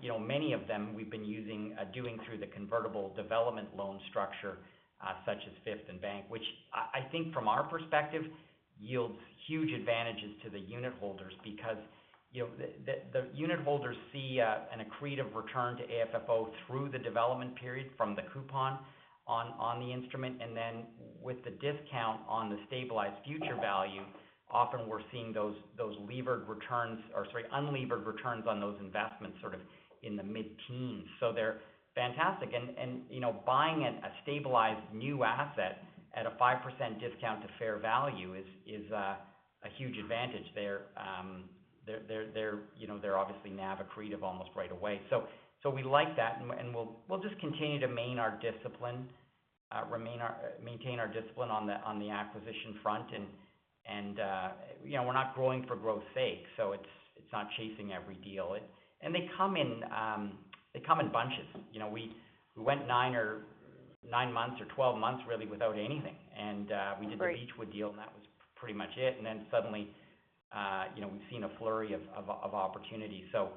you know, many of them we've been using, doing through the convertible development loan structure, such as Fifth and Bank. Which I think from our perspective yields huge advantages to the unitholders because, you know, the unitholders see an accretive return to AFFO through the development period from the coupon on the instrument. Then with the discount on the stabilized future value, often we're seeing those levered returns, or sorry, unlevered returns on those investments sort of in the mid-teens. They're fantastic. You know, buying a stabilized new asset at a 5% discount to fair value is a huge advantage there. They're obviously NAV accretive almost right away. We like that and we'll just continue to maintain our discipline on the acquisition front. You know, we're not growing for growth's sake, so it's not chasing every deal. They come in bunches. You know, we went nine or 12 months really without anything. Right We did the Beechwood deal and that was pretty much it. Then suddenly, you know, we've seen a flurry of opportunities. You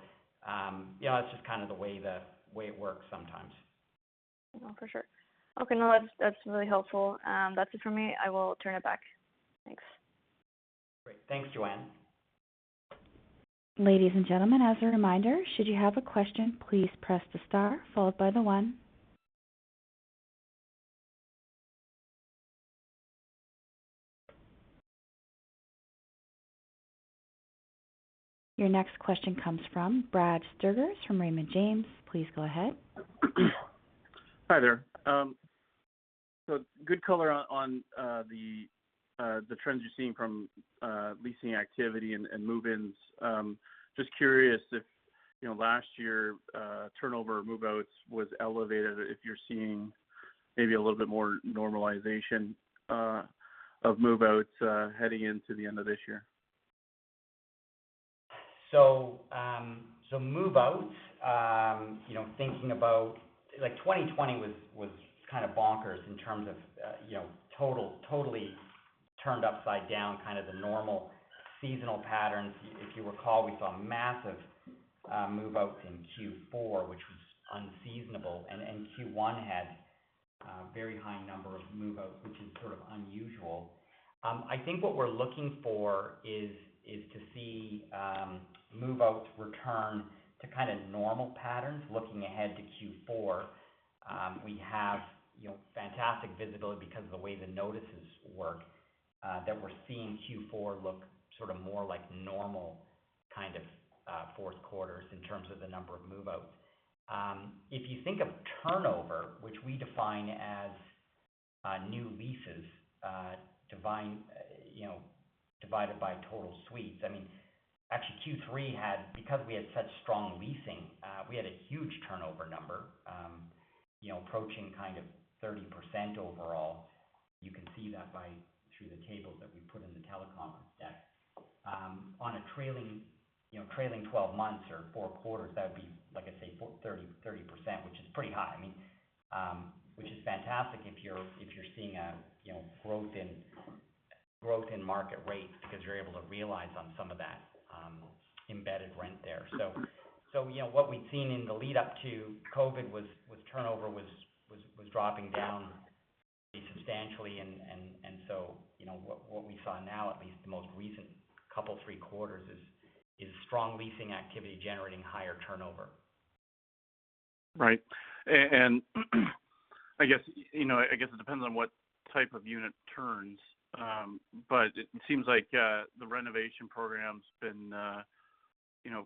know, that's just kind of the way it works sometimes. No, for sure. Okay, no, that's really helpful. That's it for me. I will turn it back. Thanks. Great. Thanks, Joanne. Ladies and gentlemen, as a reminder, should you have a question, please press the star followed by the 1. Your next question comes from Brad Sturges from Raymond James. Please go ahead. Hi there. Good color on the trends you're seeing from leasing activity and move-ins. Just curious if, you know, last year, turnover move-outs was elevated, if you're seeing maybe a little bit more normalization of move-outs heading into the end of this year. move-outs, you know, thinking about like 2020 was kind of bonkers in terms of, you know, totally turned upside down kind of the normal seasonal patterns. If you recall, we saw massive move-outs in Q4, which was unseasonable, and Q1 had a very high number of move-outs, which is sort of unusual. I think what we're looking for is to see move-outs return to kind of normal patterns looking ahead to Q4. We have, you know, fantastic visibility because of the way the notices work, that we're seeing Q4 look sort of more like normal kind of Q4 in terms of the number of move-outs. If you think of turnover, which we define as new leases, you know, divided by total suites. I mean, actually, Q3 had a huge turnover number because we had such strong leasing, you know, approaching kind of 30% overall. You can see that through the tables that we put in the teleconference deck. On a trailing, you know, trailing 12 months or four quarters, that would be, like I say, 30%, which is pretty high. I mean, which is fantastic if you're seeing, you know, growth in market rates because you're able to realize on some of that embedded rent there. You know, what we'd seen in the lead-up to COVID was turnover dropping down substantially. You know, what we saw now, at least the most recent couple, three quarters is strong leasing activity generating higher turnover. Right. I guess, you know, I guess it depends on what type of unit turns. It seems like the renovation program's been, you know,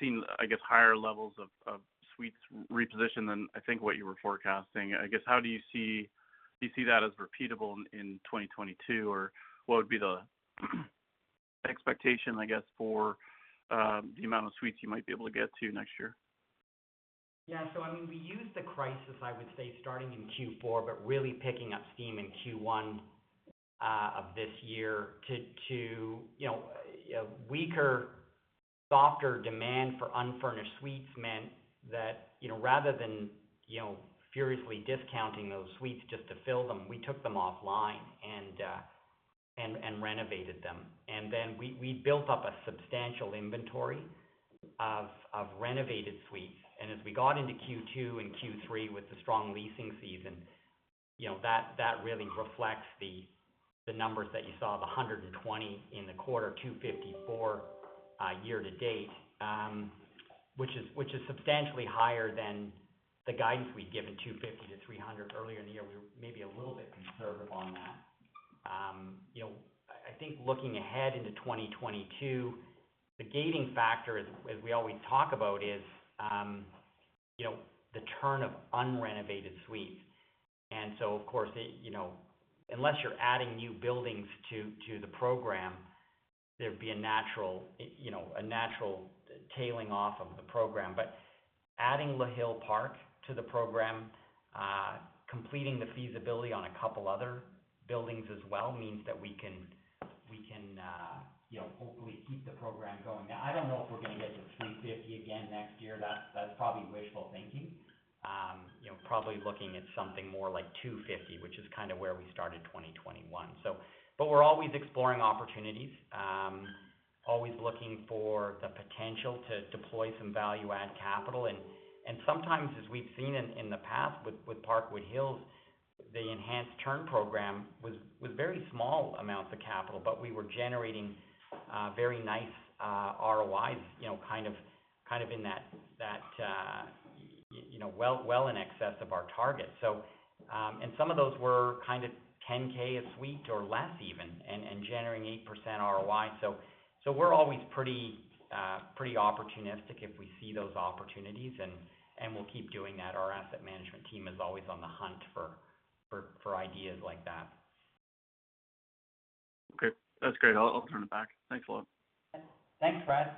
seeing, I guess, higher levels of suite repositioning than I think what you were forecasting. I guess, do you see that as repeatable in 2022? What would be the expectation, I guess, for the amount of suites you might be able to get to next year? Yeah. I mean, we used the crisis, I would say, starting in Q4, but really picking up steam in Q1 of this year to weaker, softer demand for unfurnished suites meant that, you know, rather than, you know, furiously discounting those suites just to fill them, we took them offline and renovated them. We built up a substantial inventory of renovated suites. As we got into Q2 and Q3 with the strong leasing season, you know, that really reflects the numbers that you saw of 120 in the quarter, 254 year to date, which is substantially higher than the guidance we'd given, 250 to 300 earlier in the year. We were maybe a little bit conservative on that. You know, I think looking ahead into 2022, the gating factor as we always talk about is you know, the turn of unrenovated suites. Of course, you know, unless you're adding new buildings to the program, there'd be a natural tailing off of the program. Adding Le Hill-Park to the program, completing the feasibility on a couple other buildings as well, means that we can you know, hopefully keep the program going. Now, I don't know if we're gonna get to 350 again next year. That's probably wishful thinking. You know, probably looking at something more like 250, which is kind of where we started 2021. We're always exploring opportunities, always looking for the potential to deploy some value add capital. Sometimes as we've seen in the past with Parkwood Hills, the enhanced turn program was with very small amounts of capital. We were generating very nice ROIs, you know, kind of in that you know well in excess of our target. Some of those were kind of 10,000 a suite or less even, and generating 8% ROI. We're always pretty opportunistic if we see those opportunities, and we'll keep doing that. Our asset management team is always on the hunt for ideas like that. Okay. That's great. I'll turn it back. Thanks a lot. Thanks, Brad.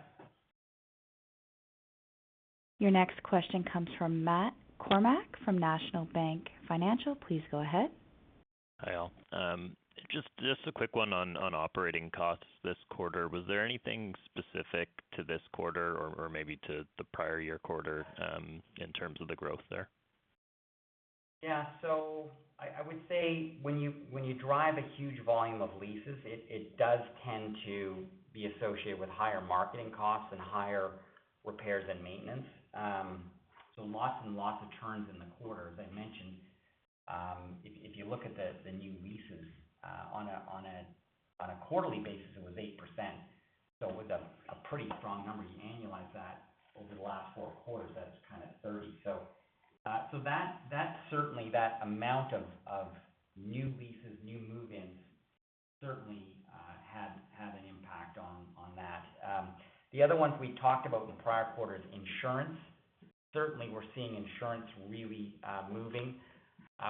Your next question comes from Matt Kornack from National Bank Financial. Please go ahead. Hi, all. Just a quick one on operating costs this quarter. Was there anything specific to this quarter or maybe to the prior year quarter, in terms of the growth there? Yeah. I would say when you drive a huge volume of leases, it does tend to be associated with higher marketing costs and higher repairs and maintenance. So lots and lots of turns in the quarter. As I mentioned, if you look at the new leases on a quarterly basis, it was 8%. It was a pretty strong number. You annualize that over the last four quarters, that was kind of 30%. That certainly that amount of new leases, new move-ins certainly had an impact on that. The other ones we talked about in the prior quarter is insurance. Certainly, we're seeing insurance really moving.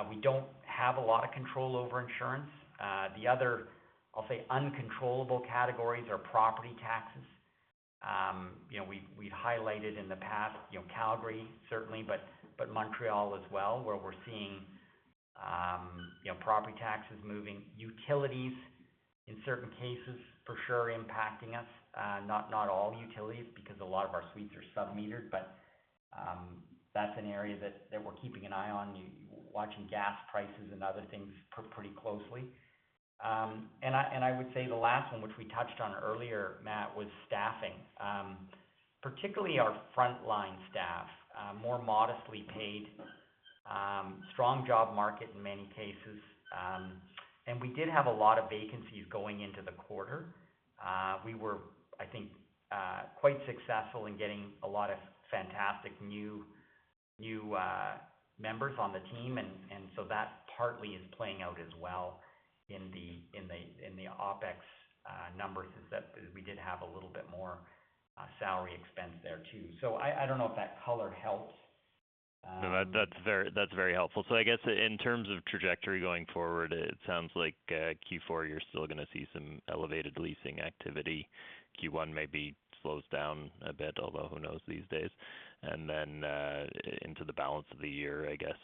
We don't have a lot of control over insurance. The other, I'll say, uncontrollable categories are property taxes. You know, we've highlighted in the past, you know, Calgary certainly, but Montreal as well, where we're seeing, you know, property taxes moving. Utilities in certain cases for sure impacting us. Not all utilities because a lot of our suites are sub-metered, but that's an area that we're keeping an eye on. Watching gas prices and other things pretty closely. I would say the last one, which we touched on earlier, Matt, was staffing, particularly our frontline staff, more modestly paid, strong job market in many cases. We did have a lot of vacancies going into the quarter. We were, I think, quite successful in getting a lot of fantastic new members on the team. that partly is playing out as well in the OpEx numbers. Is that? We did have a little bit more salary expense there too. I don't know if that color helps. No, that's very helpful. I guess in terms of trajectory going forward, it sounds like Q4, you're still gonna see some elevated leasing activity. Q1 maybe slows down a bit, although who knows these days. Into the balance of the year, I guess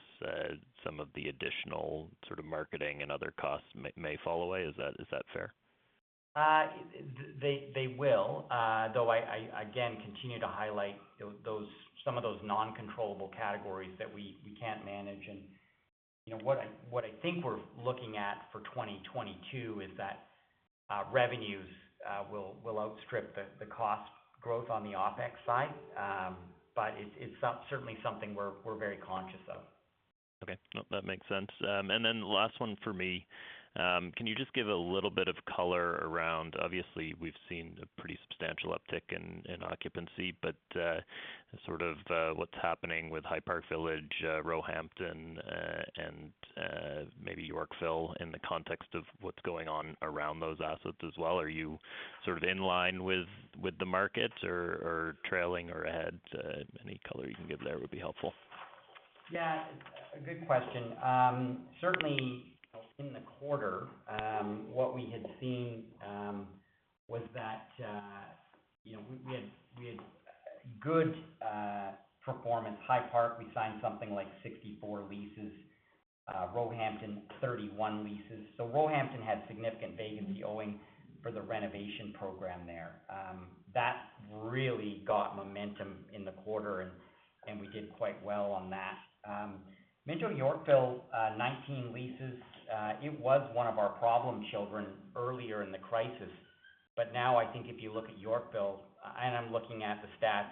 some of the additional sort of marketing and other costs may fall away. Is that fair? They will. Though I again continue to highlight those, some of those non-controllable categories that we can't manage. You know, what I think we're looking at for 2022 is that revenues will outstrip the cost growth on the OpEx side. It's certainly something we're very conscious of. Okay. No, that makes sense. Last one for me. Can you just give a little bit of color around. Obviously, we've seen a pretty substantial uptick in occupancy, but sort of what's happening with High Park Village, Roehampton, and maybe Yorkville in the context of what's going on around those assets as well. Are you sort of in line with the markets or trailing or ahead? Any color you can give there would be helpful. Yeah. A good question. Certainly in the quarter, what we had seen was that, you know, we had good performance. High Park, we signed something like 64 leases. Roehampton, 31 leases. Roehampton had significant vacancy owing to the renovation program there. That really got momentum in the quarter, and we did quite well on that. Minto Yorkville, 19 leases. It was one of our problem children earlier in the crisis. Now, I think if you look at Yorkville, and I'm looking at the stats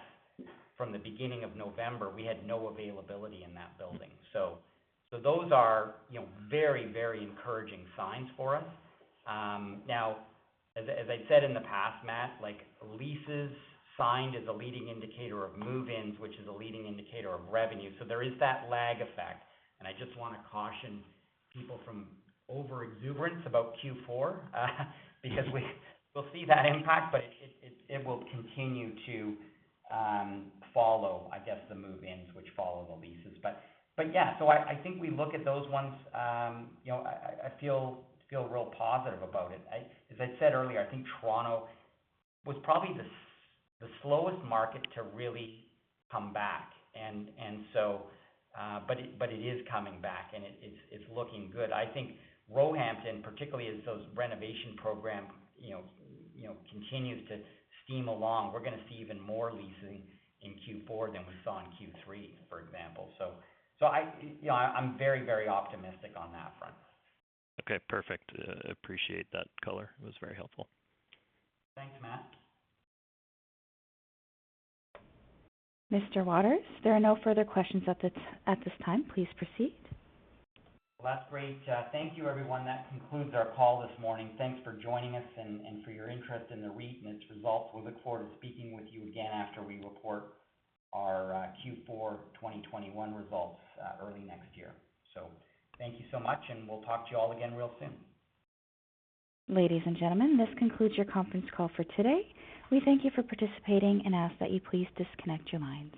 from the beginning of November, we had no availability in that building. Those are, you know, very, very encouraging signs for us. Now, as I said in the past, Matt, like leases signed is a leading indicator of move-ins, which is a leading indicator of revenue. There is that lag effect. I just wanna caution people from overexuberance about Q4, because we'll see that impact, but it will continue to follow, I guess, the move-ins which follow the leases. Yeah. I think we look at those ones, you know, I feel real positive about it. As I said earlier, I think Toronto was probably the slowest market to really come back. so but it is coming back and it's looking good. I think Roehampton particularly as those renovation program, you know, continues to steam along, we're gonna see even more leasing in Q4 than we saw in Q3, for example. I, you know, I'm very, very optimistic on that front. Okay, perfect. I appreciate that color. It was very helpful. Thanks, Matt. Mr. Waters, there are no further questions at this time. Please proceed. Well, that's great. Thank you everyone. That concludes our call this morning. Thanks for joining us and for your interest in the REIT and its results. We look forward to speaking with you again after we report our Q4 2021 results early next year. Thank you so much, and we'll talk to you all again real soon. Ladies and gentlemen, this concludes your conference call for today. We thank you for participating and ask that you please disconnect your lines.